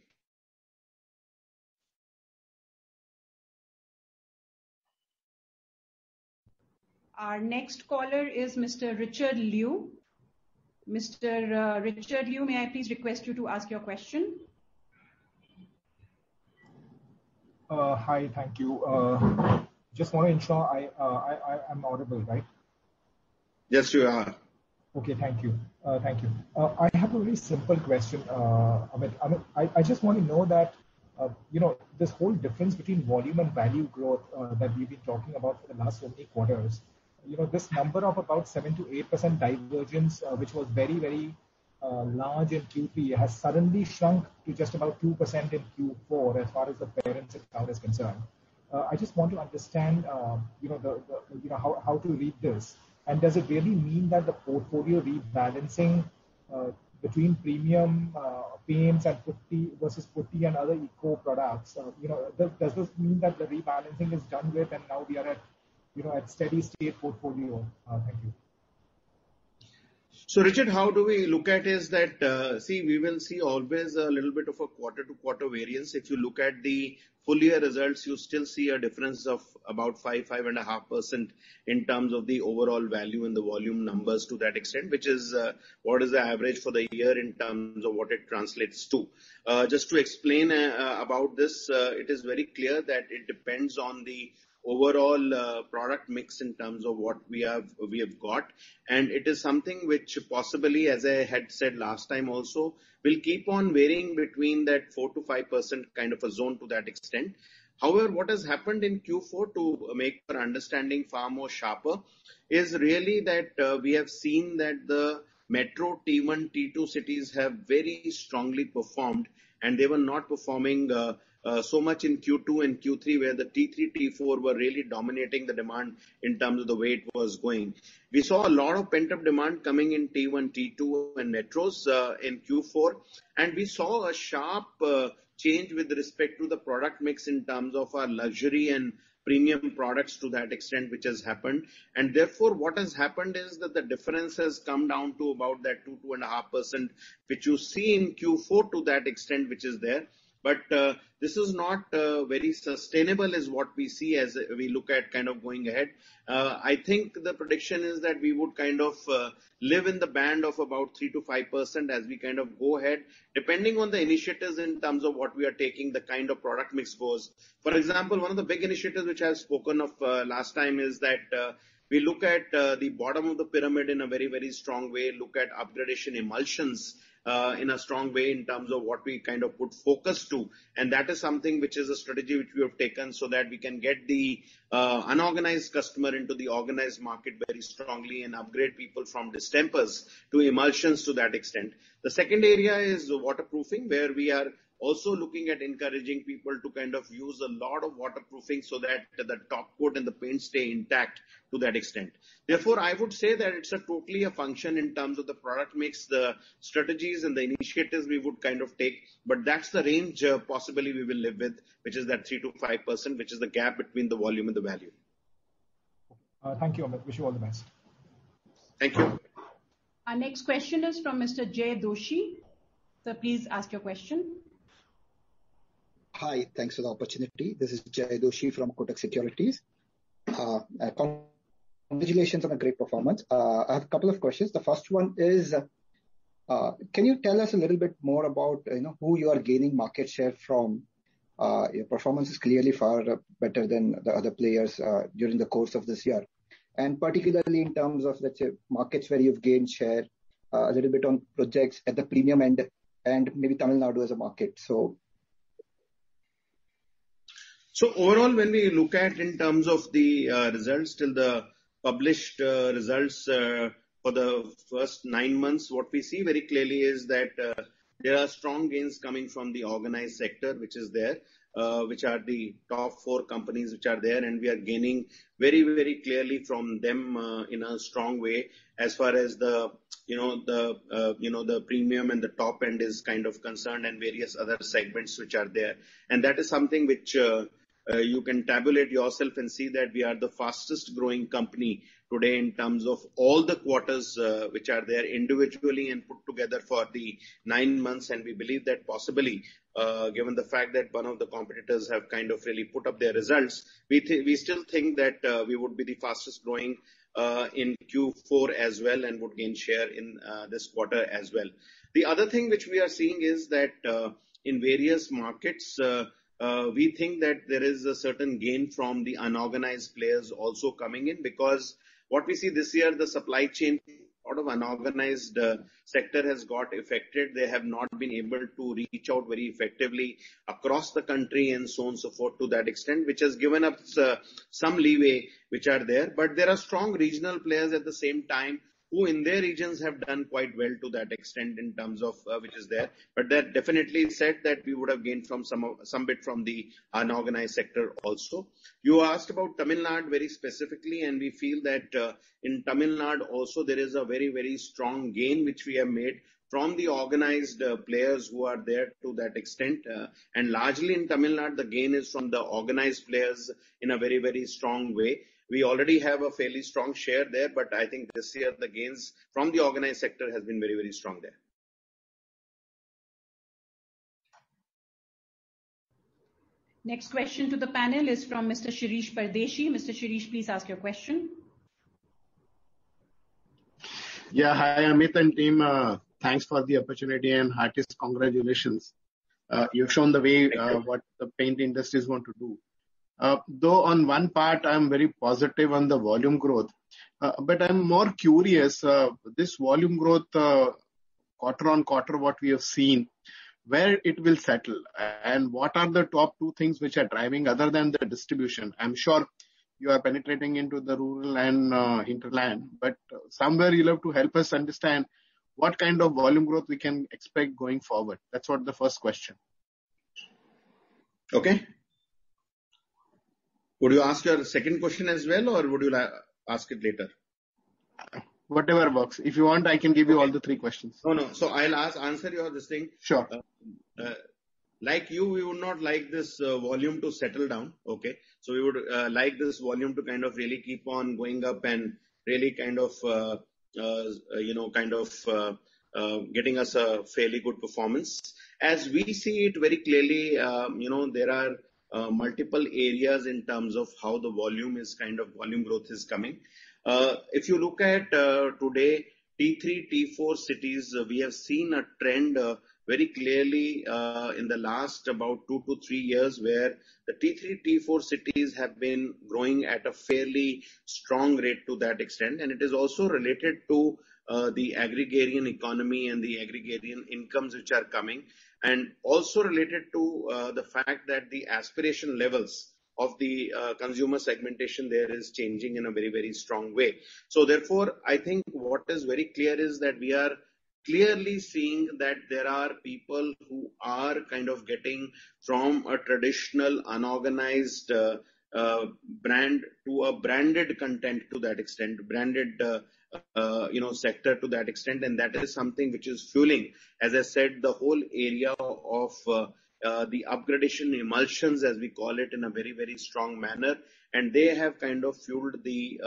Our next caller is Mr. Richard Liu. Mr. Richard Liu, may I please request you to ask your question?
Hi, thank you. I just want to ensure I am audible, right?
Yes, you are.
Okay, thank you. Thank you. I have a very simple question. I mean, I just want to know that you know this whole difference between volume and value growth that we've been talking about for the last so many quarters, you know this number of about 7%-8% divergence which was very, very large in Q3 has suddenly shrunk to just about 2% in Q4 as far as the paints and coatings is concerned. I just want to understand you know how to read this. Does it really mean that the portfolio rebalancing between premium paints and versus putty and other eco products, you know does this mean that the rebalancing is done with and now we are at you know at steady state portfolio? Thank you.
Richard, how do we look at is that, see, we will see always a little bit of a quarter-to-quarter variance. If you look at the full-year results, you still see a difference of about 5%, 5.5% in terms of the overall value and the volume numbers to that extent, which is what is the average for the year in terms of what it translates to. Just to explain about this, it is very clear that it depends on the overall product mix in terms of what we have got. It is something which possibly, as I had said last time also, will keep on varying between that 4%-5% kind of a zone to that extent. However, what has happened in Q4 to make our understanding far more sharper is really that we have seen that the metro T1, T2 cities have very strongly performed. They were not performing so much in Q2 and Q3 where the T3, T4 were really dominating the demand in terms of the way it was going. We saw a lot of pent-up demand coming in T1, T2 and metros in Q4. We saw a sharp change with respect to the product mix in terms of our luxury and premium products to that extent which has happened. Therefore, what has happened is that the difference has come down to about that 2%-2.5% which you see in Q4 to that extent which is there. This is not very sustainable is what we see as we look at kind of going ahead. I think the prediction is that we would kind of live in the band of about 3%-5% as we kind of go ahead depending on the initiatives in terms of what we are taking the kind of product mix goes. For example, one of the big initiatives which I have spoken of last time is that we look at the bottom of the pyramid in a very, very strong way, look at upgradation emulsions in a strong way in terms of what we kind of put focus to. That is something which is a strategy which we have taken so that we can get the unorganized customer into the organized market very strongly and upgrade people from distempers to emulsions to that extent. The second area is waterproofing where we are also looking at encouraging people to kind of use a lot of waterproofing so that the top coat and the paint stay intact to that extent. Therefore, I would say that it's totally a function in terms of the product mix, the strategies and the initiatives we would kind of take. That's the range possibly we will live with which is that 3%-5% which is the gap between the volume and the value.
Thank you, Amit. Wish you all the best.
Thank you.
Our next question is from Mr. Jay Doshi. Sir, please ask your question.
Hi. Thanks for the opportunity. This is Jay Doshi from Kotak Securities. Congratulations on a great performance. I have a couple of questions. The first one is, can you tell us a little bit more about you know who you are gaining market share from? Your performance is clearly far better than the other players during the course of this year, and particularly in terms of, let's say, markets where you've gained share, a little bit on projects at the premium end and maybe Tamil Nadu as a market.
Overall, when we look at in terms of the results till the published results for the first nine months, what we see very clearly is that there are strong gains coming from the organized sector which is there, which are the top four companies which are there. We are gaining very clearly from them in a strong way as far as the you know the premium and the top end is kind of concerned and various other segments which are there. That is something which you can tabulate yourself and see that we are the fastest growing company today in terms of all the quarters which are there individually and put together for the nine months. We believe that possibly, given the fact that one of the competitors have kind of really put up their results, we still think that we would be the fastest growing in Q4 as well and would gain share in this quarter as well. The other thing which we are seeing is that in various markets, we think that there is a certain gain from the unorganized players also coming in because what we see this year, the supply chain, a lot of unorganized sector has got affected. They have not been able to reach out very effectively across the country and so on and so forth to that extent, which has given us some leeway which are there. There are strong regional players at the same time who in their regions have done quite well to that extent in terms of which is there. That definitely said that we would have gained from some bit from the unorganized sector also. You asked about Tamil Nadu very specifically. We feel that in Tamil Nadu also, there is a very, very strong gain which we have made from the organized players who are there to that extent. Largely in Tamil Nadu, the gain is from the organized players in a very, very strong way. We already have a fairly strong share there. I think this year, the gains from the organized sector have been very, very strong there.
Next question to the panel is from Mr. Shirish Pardeshi. Mr. Shirish, please ask your question.
Hi, Amit and team. Thanks for the opportunity and heartfelt congratulations. You've shown the way what the paint industry is going to do. On one part, I'm very positive on the volume growth. I'm more curious, this volume growth quarter on quarter what we have seen, where it will settle and what are the top two things which are driving other than the distribution? I'm sure you are penetrating into the rural and hinterland. Somewhere, you'd love to help us understand what kind of volume growth we can expect going forward. That's what the first question.
Okay. Would you ask your second question as well or would you ask it later?
Whatever works. If you want, I can give you all the three questions.
No, no. I'll answer your this thing. Sure. Like you, we would not like this volume to settle down, okay? We would like this volume to kind of really keep on going up and really you know kind of getting us a fairly good performance. As we see it very clearly, you know there are multiple areas in terms of how the volume is kind of volume growth is coming. If you look at today, T3, T4 cities, we have seen a trend very clearly in the last about two to three years where the T3, T4 cities have been growing at a fairly strong rate to that extent. It is also related to the agrarian economy and the agrarian incomes which are coming and also related to the fact that the aspiration levels of the consumer segmentation there is changing in a very, very strong way. Therefore, I think what is very clear is that we are clearly seeing that there are people who are kind of getting from a traditional unorganized brand to a branded content to that extent, branded you know sector to that extent. That is something which is fueling, as I said, the whole area of the upgradation emulsions as we call it in a very, very strong manner. They have kind of fueled the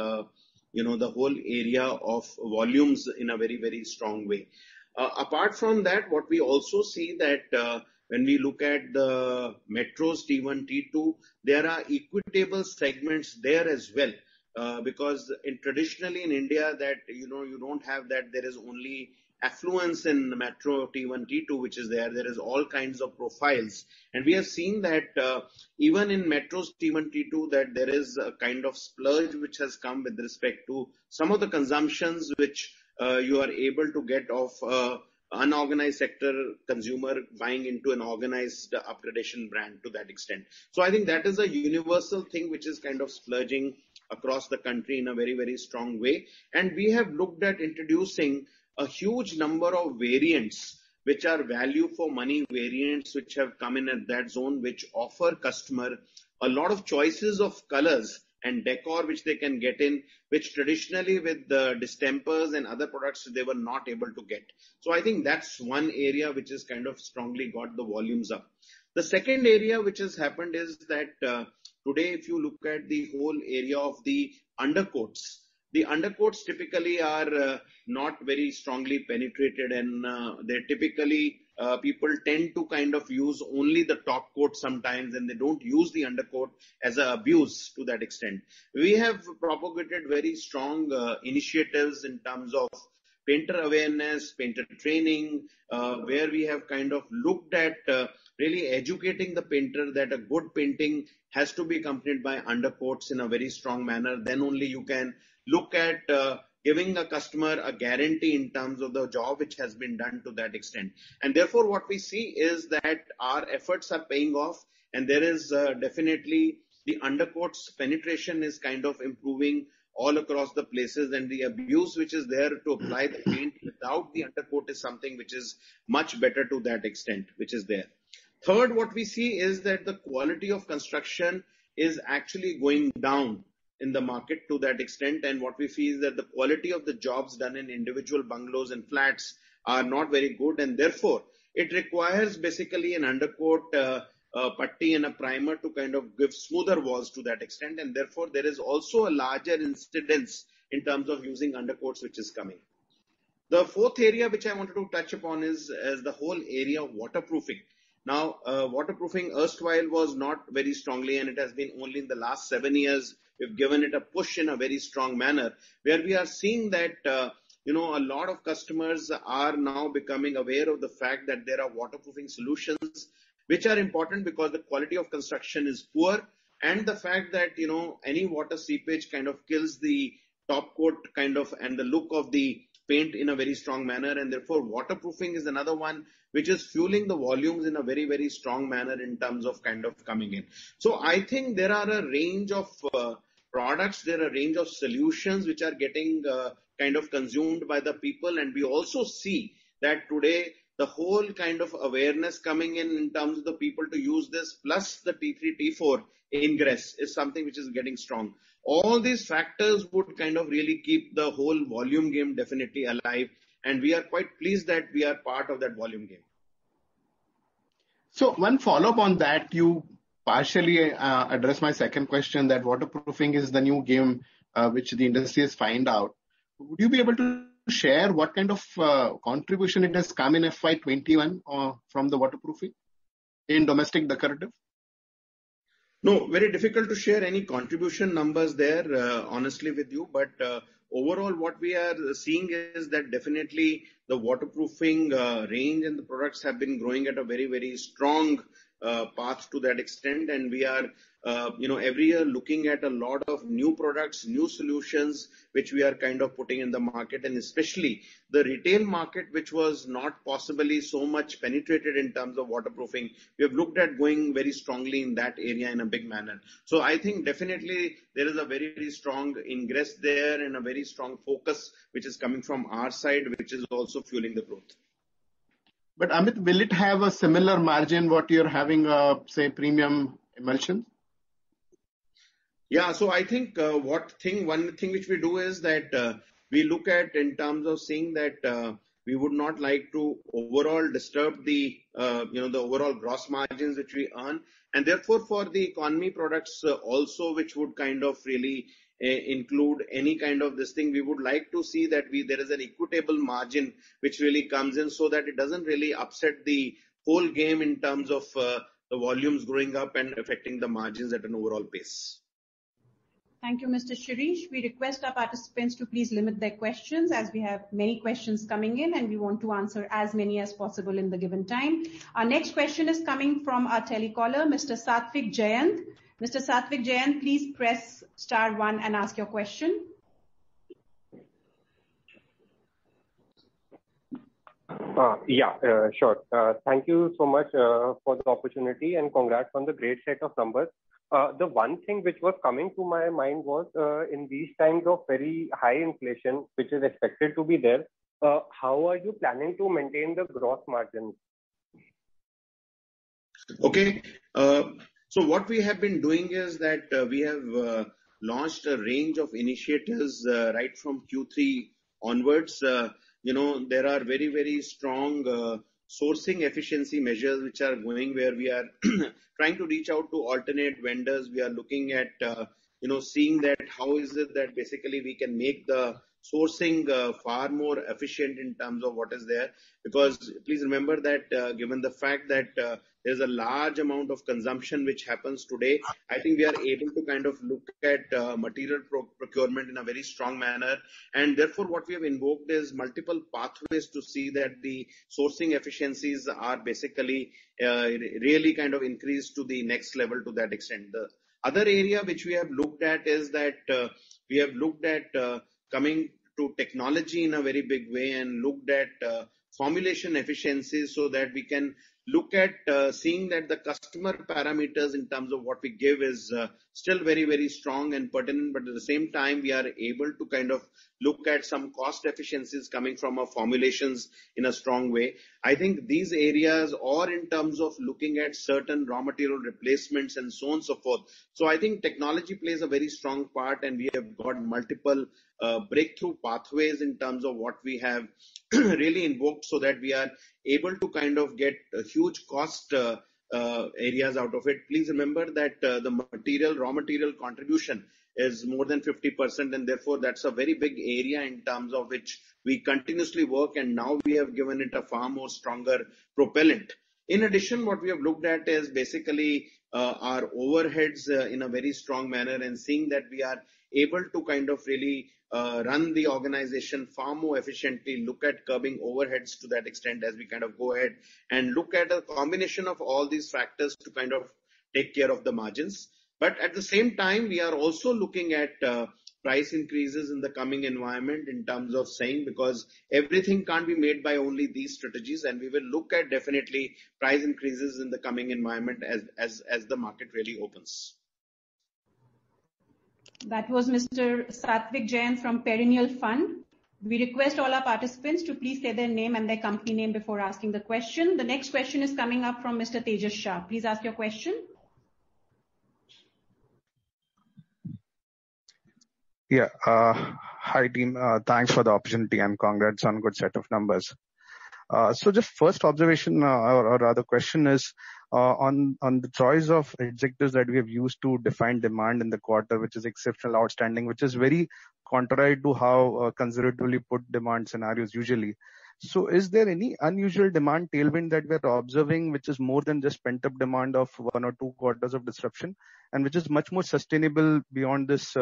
you know the whole area of volumes in a very, very strong way. Apart from that, what we also see that when we look at the metros T1, T2, there are equitable segments there as well because traditionally in India that you know you don't have that there is only affluence in the metro T1, T2 which is there. There are all kinds of profiles. We have seen that even in metros T1, T2 that there is a kind of splurge which has come with respect to some of the consumptions which you are able to get of unorganized sector consumer buying into an organized upgradation brand to that extent. I think that is a universal thing which is kind of splurging across the country in a very, very strong way. We have looked at introducing a huge number of variants which are value for money variants which have come in at that zone which offer customer a lot of choices of colors and décor which they can get in which traditionally with the distempers and other products, they were not able to get. I think that's one area which has kind of strongly got the volumes up. The second area which has happened is that today, if you look at the whole area of the undercoats, the undercoats typically are not very strongly penetrated. They're typically people tend to kind of use only the top coat sometimes. They don't use the undercoat as an abuse to that extent. We have propagated very strong initiatives in terms of painter awareness, painter training where we have kind of looked at really educating the painter that a good painting has to be accompanied by undercoats in a very strong manner. Only you can look at giving a customer a guarantee in terms of the job which has been done to that extent. Therefore, what we see is that our efforts are paying off. There is definitely the undercoats penetration is kind of improving all across the places. The abuse which is there to apply the paint without the undercoat is something which is much better to that extent which is there. Third, what we see is that the quality of construction is actually going down in the market to that extent. What we see is that the quality of the jobs done in individual bungalows and flats are not very good. Therefore, it requires basically an undercoat putty and a primer to kind of give smoother walls to that extent. Therefore, there is also a larger incidence in terms of using undercoats which is coming. The fourth area which I wanted to touch upon is the whole area of waterproofing. Now, waterproofing erstwhile was not very strongly. It has been only in the last seven years. We've given it a push in a very strong manner where we are seeing that you know a lot of customers are now becoming aware of the fact that there are waterproofing solutions which are important because the quality of construction is poor and the fact that you know any water seepage kind of kills the top coat kind of and the look of the paint in a very strong manner. Therefore, waterproofing is another one which is fueling the volumes in a very, very strong manner in terms of kind of coming in. I think there are a range of products. There are a range of solutions which are getting kind of consumed by the people. We also see that today, the whole kind of awareness coming in in terms of the people to use this plus the T3, T4 ingress is something which is getting strong. All these factors would kind of really keep the whole volume game definitely alive. We are quite pleased that we are part of that volume game.
One follow-up on that, you partially addressed my second question that waterproofing is the new game which the industry has found out. Would you be able to share what kind of contribution it has come in FY 2021 from the waterproofing in domestic decorative?
No, very difficult to share any contribution numbers there, honestly with you. Overall, what we are seeing is that definitely the waterproofing range and the products have been growing at a very strong path to that extent. We are you know every year looking at a lot of new products, new solutions which we are kind of putting in the market. Especially the retail market which was not possibly so much penetrated in terms of waterproofing, we have looked at going very strongly in that area in a big manner. I think definitely there is a very, very strong ingress there and a very strong focus which is coming from our side which is also fueling the growth.
Amit, will it have a similar margin what you're having, say, premium emulsions?
Yeah. I think one thing which we do is that we look at in terms of seeing that we would not like to overall disturb the you know the overall gross margins which we earn. Therefore, for the economy products also which would kind of really include any kind of this thing, we would like to see that there is an equitable margin which really comes in so that it doesn't really upset the whole game in terms of the volumes growing up and affecting the margins at an overall pace.
Thank you, Mr. Shirish. We request our participants to please limit their questions as we have many questions coming in. We want to answer as many as possible in the given time. Our next question is coming from our telecaller, Mr. Sathvik Jayanth. Mr. Sathvik Jayanth, please press star one and ask your question.
Yeah, sure. Thank you so much for the opportunity. Congrats on the great set of numbers. The one thing which was coming to my mind was in these times of very high inflation which is expected to be there, how are you planning to maintain the gross margins?
Okay. What we have been doing is that we have launched a range of initiatives right from Q3 onwards. You know there are very, very strong sourcing efficiency measures which are going where we are trying to reach out to alternate vendors. We are looking at you know seeing that how is it that basically we can make the sourcing far more efficient in terms of what is there because please remember that given the fact that there is a large amount of consumption which happens today, I think we are able to kind of look at material procurement in a very strong manner. Therefore, what we have invoked is multiple pathways to see that the sourcing efficiencies are basically really kind of increased to the next level to that extent. The other area which we have looked at is that we have looked at coming to technology in a very big way and looked at formulation efficiencies so that we can look at seeing that the customer parameters in terms of what we give is still very, very strong and pertinent. At the same time, we are able to kind of look at some cost efficiencies coming from our formulations in a strong way. I think these areas or in terms of looking at certain raw material replacements and so on and so forth. I think technology plays a very strong part. We have got multiple breakthrough pathways in terms of what we have really invoked so that we are able to kind of get huge cost areas out of it. Please remember that the raw material contribution is more than 50%. Therefore, that's a very big area in terms of which we continuously work. Now we have given it a far more stronger propellant. In addition, what we have looked at is basically our overheads in a very strong manner and seeing that we are able to kind of really run the organization far more efficiently, look at curbing overheads to that extent as we kind of go ahead and look at a combination of all these factors to kind of take care of the margins. At the same time, we are also looking at price increases in the coming environment in terms of saying because everything can't be made by only these strategies. We will look at definitely price increases in the coming environment as the market really opens.
That was Mr. Sathvik Jayanth from Perennial Fund. We request all our participants to please say their name and their company name before asking the question. The next question is coming up from Mr. Tejas Shah. Please ask your question.
Yeah. Hi team. Thanks for the opportunity. Congrats on a good set of numbers. Just first observation or rather question is on the choice of executives that we have used to define demand in the quarter which is exceptional, outstanding, which is very contrary to how conservatively put demand scenarios usually. Is there any unusual demand tailwind that we are observing which is more than just pent-up demand of one or two quarters of disruption and which is much more sustainable beyond this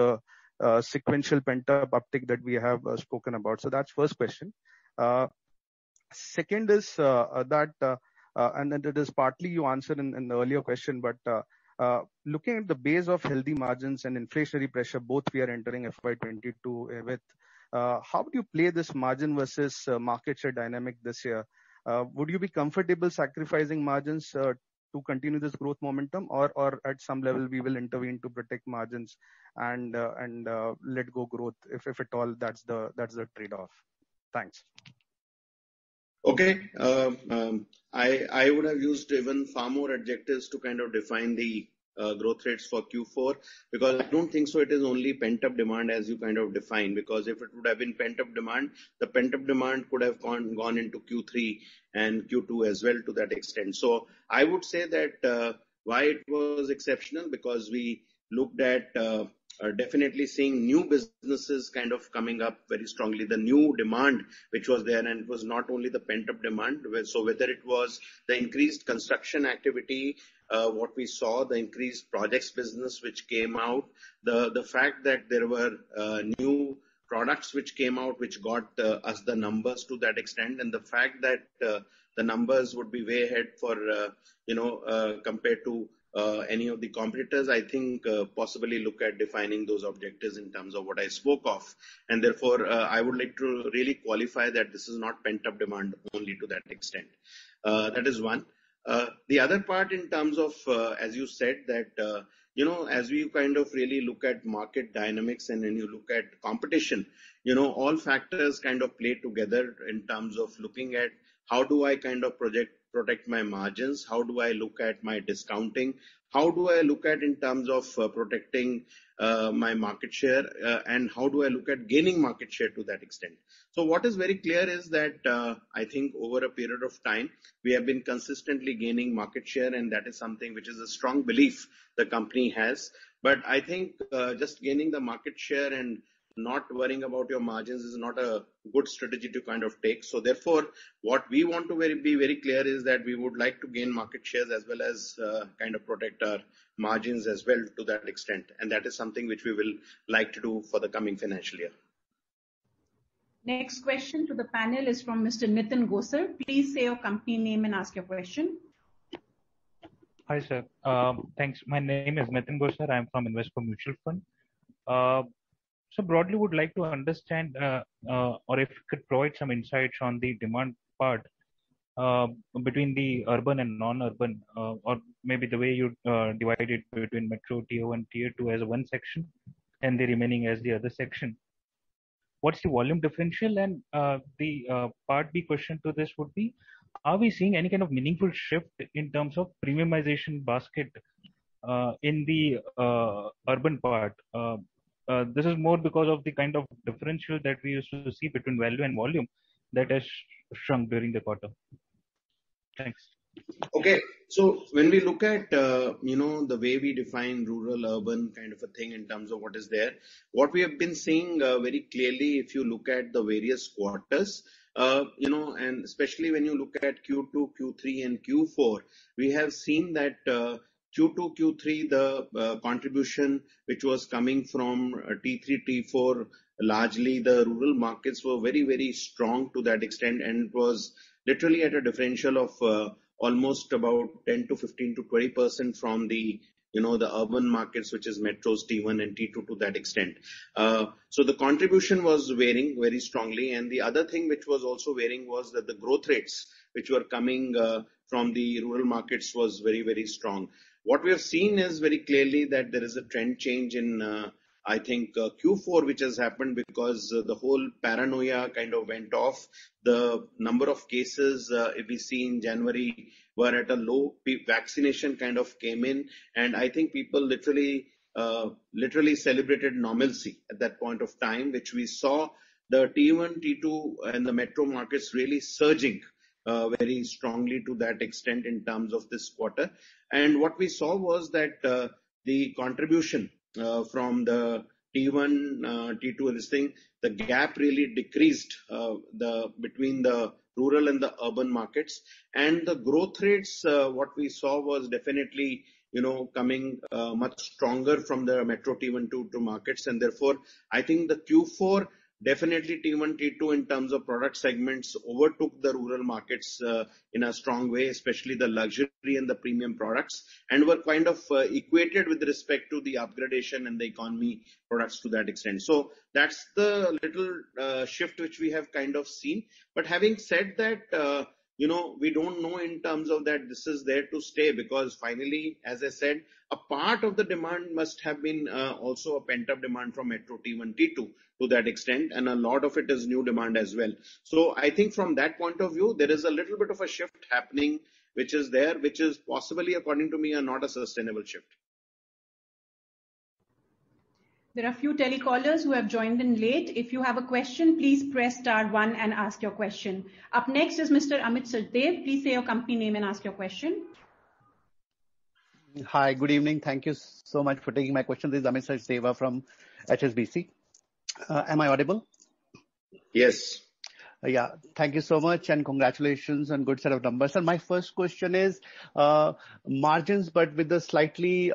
sequential pent-up uptick that we have spoken about? That's first question. Second is that and it is partly you answered in the earlier question. Looking at the base of healthy margins and inflationary pressure, both we are entering FY 2022 with, how would you play this margin versus market share dynamic this year? Would you be comfortable sacrificing margins to continue this growth momentum? At some level, we will intervene to protect margins and let go growth if at all that's the trade-off? Thanks.
Okay. I would have used even far more adjectives to kind of define the growth rates for Q4 because I don't think so it is only pent-up demand as you kind of define. If it would have been pent-up demand, the pent-up demand could have gone into Q3 and Q2 as well to that extent. I would say that why it was exceptional because we looked at definitely seeing new businesses kind of coming up very strongly, the new demand which was there. It was not only the pent-up demand. Whether it was the increased construction activity, what we saw, the increased projects business which came out, the fact that there were new products which came out which got us the numbers to that extent, and the fact that the numbers would be way ahead for you know compared to any of the competitors, I think possibly look at defining those objectives in terms of what I spoke of. Therefore, I would like to really qualify that this is not pent-up demand only to that extent. That is one. The other part in terms of, as you said, that you know as we kind of really look at market dynamics and then you look at competition, you know all factors kind of play together in terms of looking at how do I kind of protect my margins? How do I look at my discounting? How do I look at in terms of protecting my market share? How do I look at gaining market share to that extent? What is very clear is that I think over a period of time, we have been consistently gaining market share. That is something which is a strong belief the company has. I think just gaining the market share and not worrying about your margins is not a good strategy to kind of take. Therefore, what we want to be very clear is that we would like to gain market shares as well as kind of protect our margins as well to that extent. That is something which we will like to do for the coming financial year.
Next question to the panel is from Mr. Nitin Gosar. Please say your company name and ask your question.
Hi sir. Thanks. My name is Nitin Gosar. I'm from Invesco Mutual Fund. Broadly, would like to understand or if you could provide some insights on the demand part between the urban and non-urban or maybe the way you divide it between Metro Tier 1 and Tier 2 as one section and the remaining as the other section. What's the volume differential? The part B question to this would be, are we seeing any kind of meaningful shift in terms of premiumization basket in the urban part? This is more because of the kind of differential that we used to see between value and volume that has shrunk during the quarter. Thanks.
Okay. When we look at you know the way we define rural-urban kind of a thing in terms of what is there, what we have been seeing very clearly if you look at the various quarters you know and especially when you look at Q2, Q3, and Q4, we have seen that Q2, Q3, the contribution which was coming from T3, T4, largely the rural markets were very, very strong to that extent. It was literally at a differential of almost about 10% to 15% to 20% from the you know the urban markets which is Metros T1 and T2 to that extent. The contribution was varying very strongly. The other thing which was also varying was that the growth rates which were coming from the rural markets was very, very strong. What we have seen is very clearly that there is a trend change in, I think, Q4 which has happened because the whole paranoia kind of went off. The number of cases if we see in January were at a low. Vaccination kind of came in. I think people literally celebrated normalcy at that point of time which we saw the T1, T2, and the Metro markets really surging very strongly to that extent in terms of this quarter. What we saw was that the contribution from the T1, T2, this thing, the gap really decreased between the rural and the urban markets. The growth rates, what we saw was definitely you know coming much stronger from the Metro T1, T2 markets. Therefore, I think the Q4 definitely T1, T2 in terms of product segments overtook the rural markets in a strong way, especially the luxury and the premium products, and were kind of equated with respect to the upgradation and the economy products to that extent. That's the little shift which we have kind of seen. Having said that, you know we don't know in terms of that this is there to stay because finally, as I said, a part of the demand must have been also a pent-up demand from Metro T1, T2 to that extent. A lot of it is new demand as well. I think from that point of view, there is a little bit of a shift happening which is there which is possibly, according to me, not a sustainable shift.
There are a few telecallers who have joined in late. If you have a question please press star one and ask your question. Up next is Mr. Amit Sachdeva. Please say your company name and ask your question.
Hi. Good evening. Thank you so much for taking my question. This is Amit Sachdeva from HSBC. Am I audible?
Yes.
Thank you so much. Congratulations and good set of numbers. My first question is, margins but with a slightly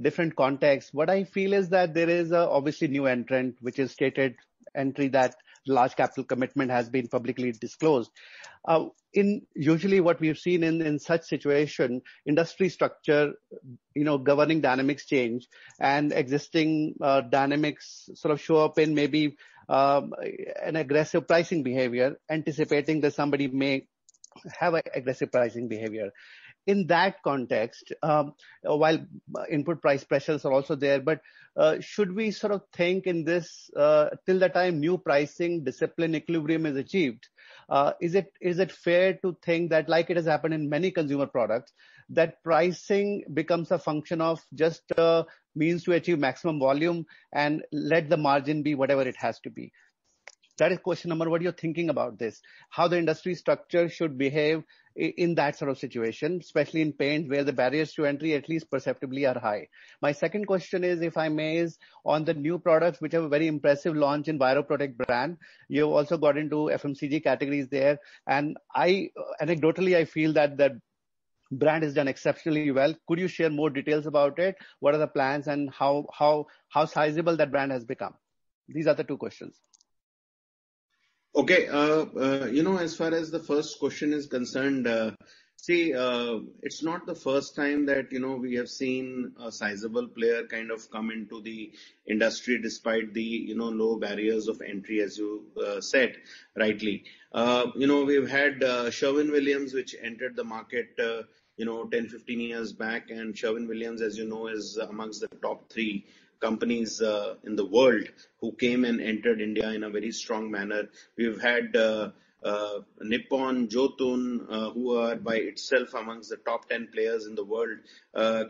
different context, what I feel is that there is obviously new entrant which is stated entry that large capital commitment has been publicly disclosed. Usually what we have seen in such situation, industry structure, you know governing dynamics change, existing dynamics sort of show up in maybe an aggressive pricing behavior anticipating that somebody may have an aggressive pricing behavior. In that context, while input price pressures are also there, should we sort of think in this till the time new pricing discipline equilibrium is achieved, is it fair to think that like it has happened in many consumer products, that pricing becomes a function of just a means to achieve maximum volume and let the margin be whatever it has to be? That is question number one. What are you thinking about this? How the industry structure should behave in that sort of situation, especially in paint where the barriers to entry at least perceptibly are high. My second question is if I may, is on the new products which have a very impressive launch in Viroprotek brand, you've also got into FMCG categories there. I anecdotally, I feel that that brand has done exceptionally well. Could you share more details about it? What are the plans and how sizable that brand has become? These are the two questions.
You know as far as the first question is concerned, see, it's not the first time that you know we have seen a sizable player kind of come into the industry despite the you know low barriers of entry as you said rightly. You know we've had Sherwin-Williams which entered the market you know 10, 15 years back. Sherwin-Williams, as you know, is amongst the top three companies in the world who came and entered India in a very strong manner. We've had Nippon, Jotun who are by itself amongst the top 10 players in the world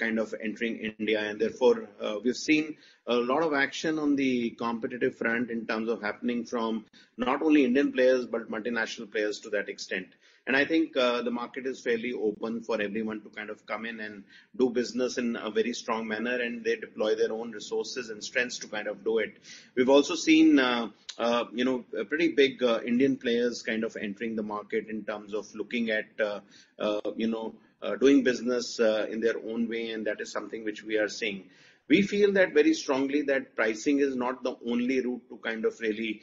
kind of entering India. Therefore, we've seen a lot of action on the competitive front in terms of happening from not only Indian players but multinational players to that extent. I think the market is fairly open for everyone to kind of come in and do business in a very strong manner. They deploy their own resources and strengths to kind of do it. We've also seen you know pretty big Indian players kind of entering the market in terms of looking at you know doing business in their own way. That is something which we are seeing. We feel that very strongly that pricing is not the only route to kind of really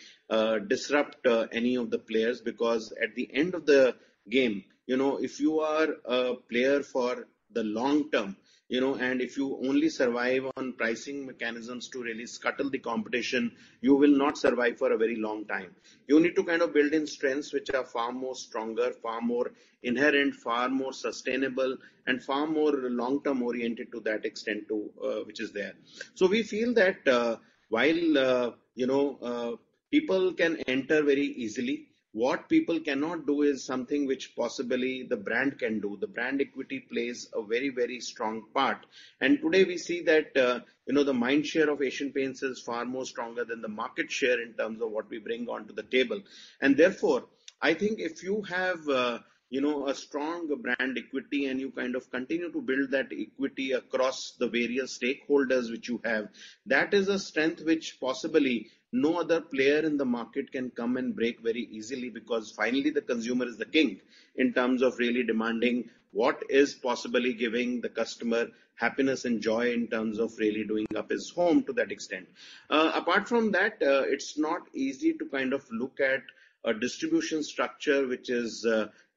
disrupt any of the players because at the end of the game, you know if you are a player for the long term, you know and if you only survive on pricing mechanisms to really scuttle the competition, you will not survive for a very long time. You need to kind of build in strengths which are far more stronger, far more inherent, far more sustainable, and far more long-term oriented to that extent to which is there. We feel that while you know people can enter very easily, what people cannot do is something which possibly the brand can do. The brand equity plays a very, very strong part. Today we see that you know the mindshare of Asian Paints is far more stronger than the market share in terms of what we bring onto the table. Therefore, I think if you have you know a strong brand equity and you kind of continue to build that equity across the various stakeholders which you have, that is a strength which possibly no other player in the market can come and break very easily because finally the consumer is the king in terms of really demanding what is possibly giving the customer happiness and joy in terms of really doing up his home to that extent. Apart from that, it's not easy to kind of look at a distribution structure which is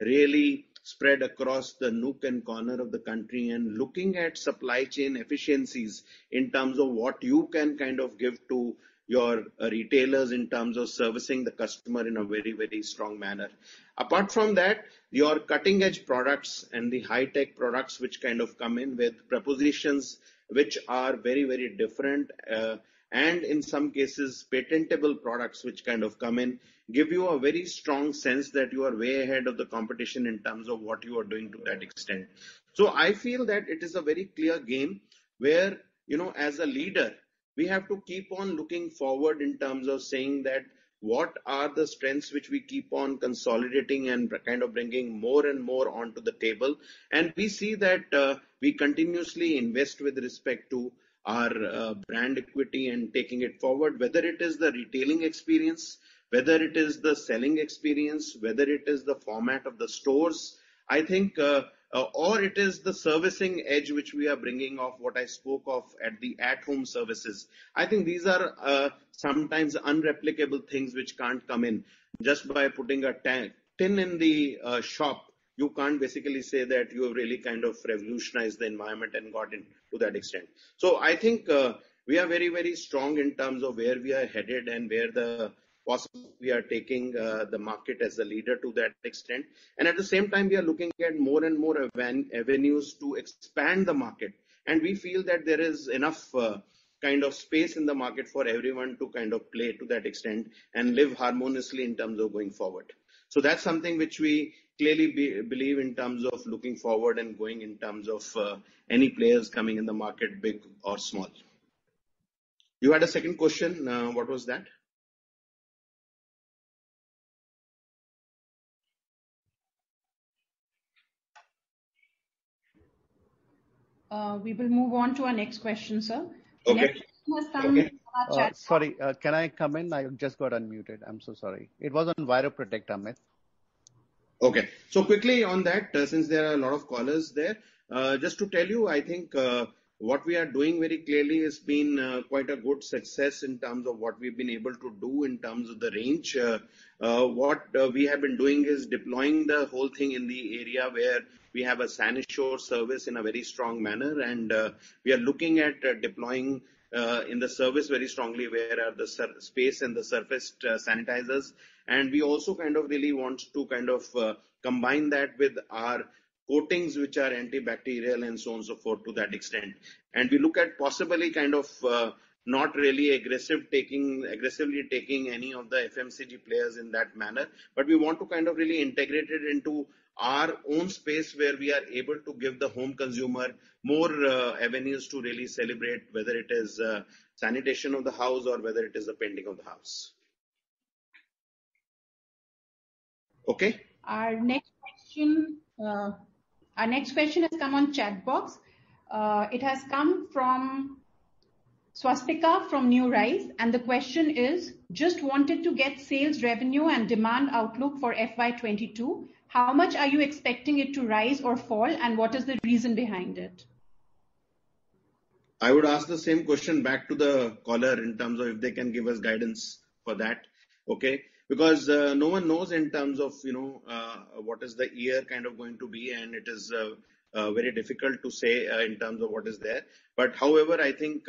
really spread across the nook and corner of the country and looking at supply chain efficiencies in terms of what you can kind of give to your retailers in terms of servicing the customer in a very strong manner. Apart from that, your cutting-edge products and the high-tech products which kind of come in with propositions which are very, very different, and in some cases, patentable products which kind of come in give you a very strong sense that you are way ahead of the competition in terms of what you are doing to that extent. I feel that it is a very clear game where you know as a leader, we have to keep on looking forward in terms of saying that what are the strengths which we keep on consolidating and kind of bringing more and more onto the table. We see that we continuously invest with respect to our brand equity and taking it forward, whether it is the retailing experience, whether it is the selling experience, whether it is the format of the stores, I think, or it is the servicing edge which we are bringing of what I spoke of at the at-home services. I think these are sometimes unreplicable things which can't come in. Just by putting a tin in the shop, you can't basically say that you have really kind of revolutionized the environment and gotten to that extent. I think we are very, very strong in terms of where we are headed and where the possible we are taking the market as a leader to that extent. At the same time, we are looking at more and more avenues to expand the market. We feel that there is enough kind of space in the market for everyone to kind of play to that extent and live harmoniously in terms of going forward. That's something which we clearly believe in terms of looking forward and going in terms of any players coming in the market, big or small. You had a second question. What was that?
We will move on to our next question, sir. Next question has come in on our chat.
Sorry, can I come in? I just got unmuted. I'm so sorry.
It was on Bioprotect, Amit. Okay. Quickly on that, since there are a lot of callers there, just to tell you, I think what we are doing very clearly has been quite a good success in terms of what we've been able to do in terms of the range. What we have been doing is deploying the whole thing in the area where we have a sanitation service in a very strong manner. We are looking at deploying in the service very strongly where are the space and the surface sanitizers. We also really want to combine that with our coatings which are antibacterial and so on and so forth to that extent. We look at possibly not really aggressively taking any of the FMCG players in that manner. We want to really integrate it into our own space where we are able to give the home consumer more avenues to really celebrate whether it is sanitation of the house or whether it is the painting of the house.
Okay.
Our next question has come on chat box. It has come from Swastika from New Rise. The question is, just wanted to get sales revenue and demand outlook for FY 2022. How much are you expecting it to rise or fall? What is the reason behind it?
I would ask the same question back to the caller in terms of if they can give us guidance for that. Okay. No one knows in terms of you know what is the year kind of going to be. It is very difficult to say in terms of what is there. However, I think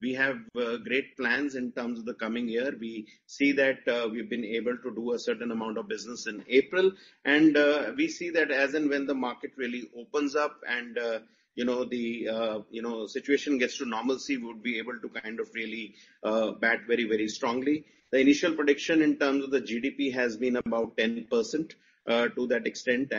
we have great plans in terms of the coming year. We see that we've been able to do a certain amount of business in April. We see that as and when the market really opens up and you know the you know situation gets to normalcy, we would be able to kind of really bat very, very strongly. The initial prediction in terms of the GDP has been about 10% to that extent.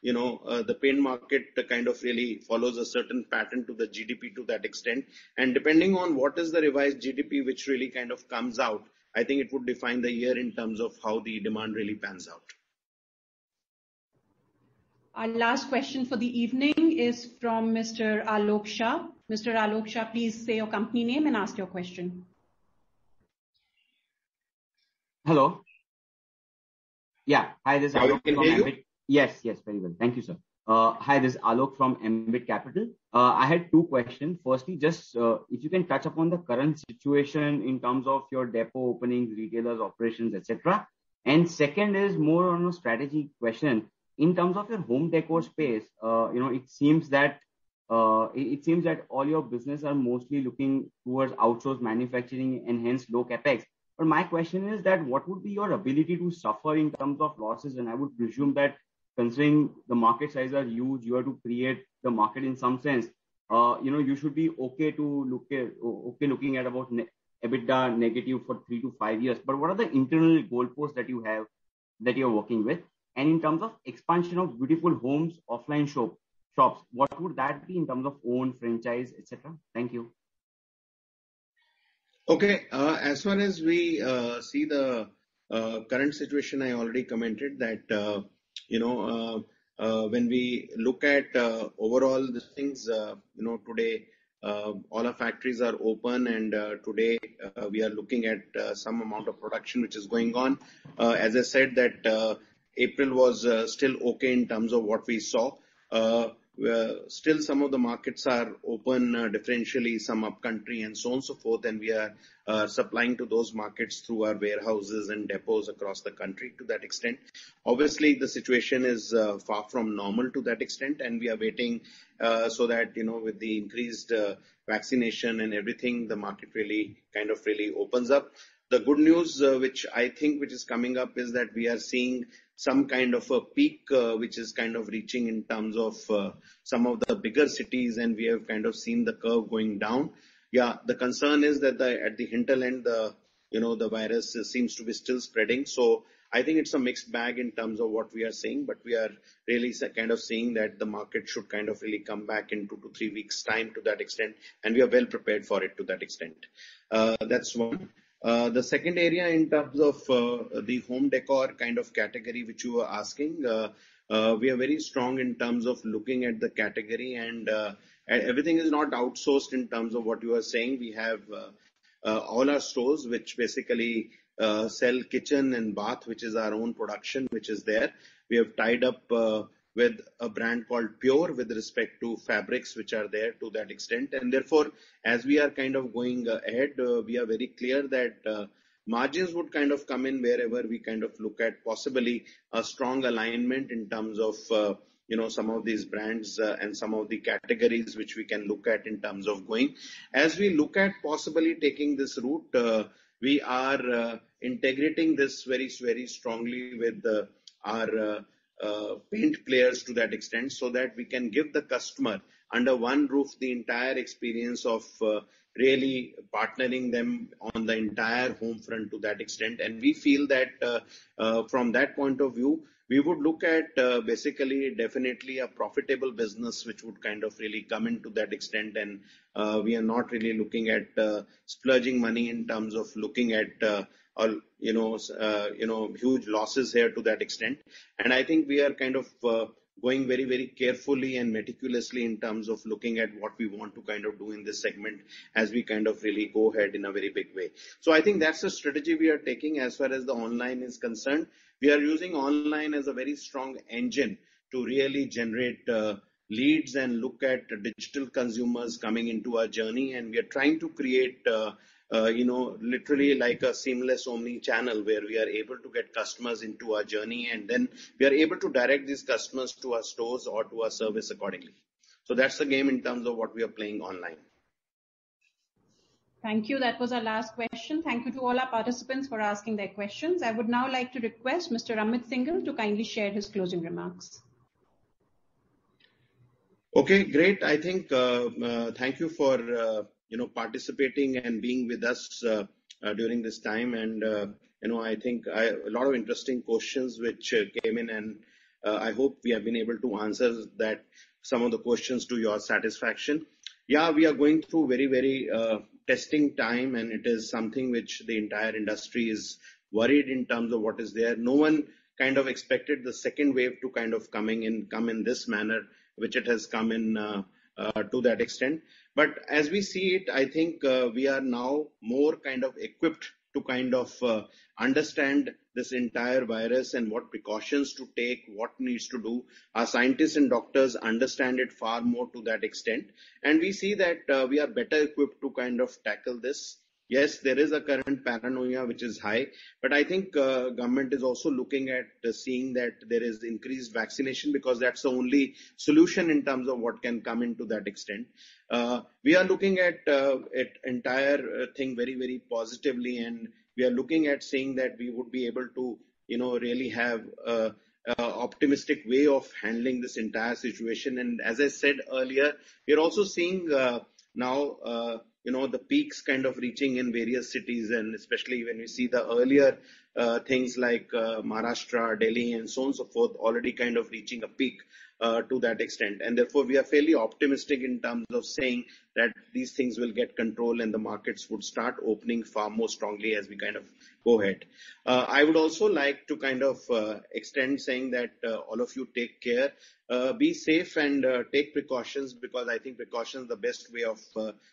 You know the paint market kind of really follows a certain pattern to the GDP to that extent. Depending on what is the revised GDP which really kind of comes out, I think it would define the year in terms of how the demand really pans out.
Our last question for the evening is from Mr. Aalok Shah. Mr. Aalok Shah, please say your company name and ask your question.
Hello. Yeah. Hi, this is Amit from Ambit Capital. Yes, yes, very well. Thank you, sir. Hi, this is Aalok from Ambit Capital. I had two questions. Just if you can touch upon the current situation in terms of your depot openings, retailers, operations, etc.? Second is more on a strategy question. In terms of your home decor space, you know it seems that all your business are mostly looking towards outsource manufacturing and hence low CapEx. My question is that what would be your ability to suffer in terms of losses? I would presume that considering the market size are huge, you are to create the market in some sense. You know you should be okay looking at about EBITDA negative for 3 to 5 years. What are the internal goal posts that you have that you are working with? In terms of expansion of Beautiful Homes, offline shops, what would that be in terms of own franchise, etc.? Thank you.
Okay. As far as we see the current situation, I already commented that you know when we look at overall the things, you know today all our factories are open. Today we are looking at some amount of production which is going on. As I said, that April was still okay in terms of what we saw. Still, some of the markets are open differentially, some upcountry and so on and so forth. We are supplying to those markets through our warehouses and depots across the country to that extent. Obviously, the situation is far from normal to that extent. We are waiting so that you know with the increased vaccination and everything, the market really kind of really opens up. The good news which I think which is coming up is that we are seeing some kind of a peak which is kind of reaching in terms of some of the bigger cities. We have kind of seen the curve going down. Yeah. The concern is that at the hinterland, the you know the virus seems to be still spreading. I think it's a mixed bag in terms of what we are seeing. We are really kind of seeing that the market should kind of really come back in two to three weeks' time to that extent. We are well prepared for it to that extent. That's one. The second area in terms of the home decor kind of category which you were asking, we are very strong in terms of looking at the category. Everything is not outsourced in terms of what you are saying. We have all our stores which basically sell kitchen and bath which is our own production which is there. We have tied up with a brand called Pure with respect to fabrics which are there to that extent. Therefore, as we are kind of going ahead, we are very clear that margins would kind of come in wherever we kind of look at possibly a strong alignment in terms of you know some of these brands and some of the categories which we can look at in terms of going. As we look at possibly taking this route, we are integrating this very, very strongly with our paint players to that extent so that we can give the customer under one roof the entire experience of really partnering them on the entire home front to that extent. We feel that from that point of view, we would look at basically definitely a profitable business which would kind of really come into that extent. We are not really looking at splurging money in terms of looking at or you know huge losses here to that extent. I think we are kind of going very, very carefully and meticulously in terms of looking at what we want to kind of do in this segment as we kind of really go ahead in a very big way. I think that's the strategy we are taking as far as the online is concerned. We are using online as a very strong engine to really generate leads and look at digital consumers coming into our journey. We are trying to create you know literally like a seamless omnichannel where we are able to get customers into our journey. We are able to direct these customers to our stores or to our service accordingly. That's the game in terms of what we are playing online.
Thank you. That was our last question. Thank you to all our participants for asking their questions. I would now like to request Mr. Amit Syngle to kindly share his closing remarks.
Okay. Great. I think thank you for you know participating and being with us during this time. You know I think a lot of interesting questions which came in. I hope we have been able to answer some of the questions to your satisfaction. Yeah. We are going through very testing time. It is something which the entire industry is worried in terms of what is there. No one kind of expected the second wave to kind of come in this manner which it has come in to that extent. As we see it, I think we are now more kind of equipped to kind of understand this entire virus and what precautions to take, what needs to do. Our scientists and doctors understand it far more to that extent. We see that we are better equipped to kind of tackle this. Yes, there is a current paranoia which is high. I think government is also looking at seeing that there is increased vaccination because that's the only solution in terms of what can come into that extent. We are looking at the entire thing very, very positively. We are looking at seeing that we would be able to you know really have an optimistic way of handling this entire situation. As I said earlier, we are also seeing now you know the peaks kind of reaching in various cities. Especially when we see the earlier things like Maharashtra, Delhi, and so on and so forth already kind of reaching a peak to that extent. Therefore, we are fairly optimistic in terms of saying that these things will get controlled and the markets would start opening far more strongly as we kind of go ahead. I would also like to kind of extend saying that all of you take care, be safe, and take precautions because I think precaution is the best way of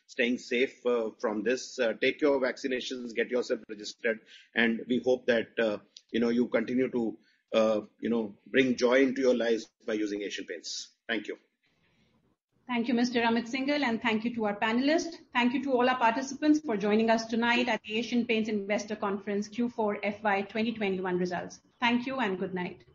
staying safe from this. Take your vaccinations, get yourself registered. We hope that you know you continue to you know bring joy into your lives by using Asian Paints. Thank you.
Thank you, Mr. Amit Syngle. Thank you to our panelists. Thank you to all our participants for joining us tonight at the Asian Paints Investor Conference Q4 FY 2020/2021 results. Thank you and good night.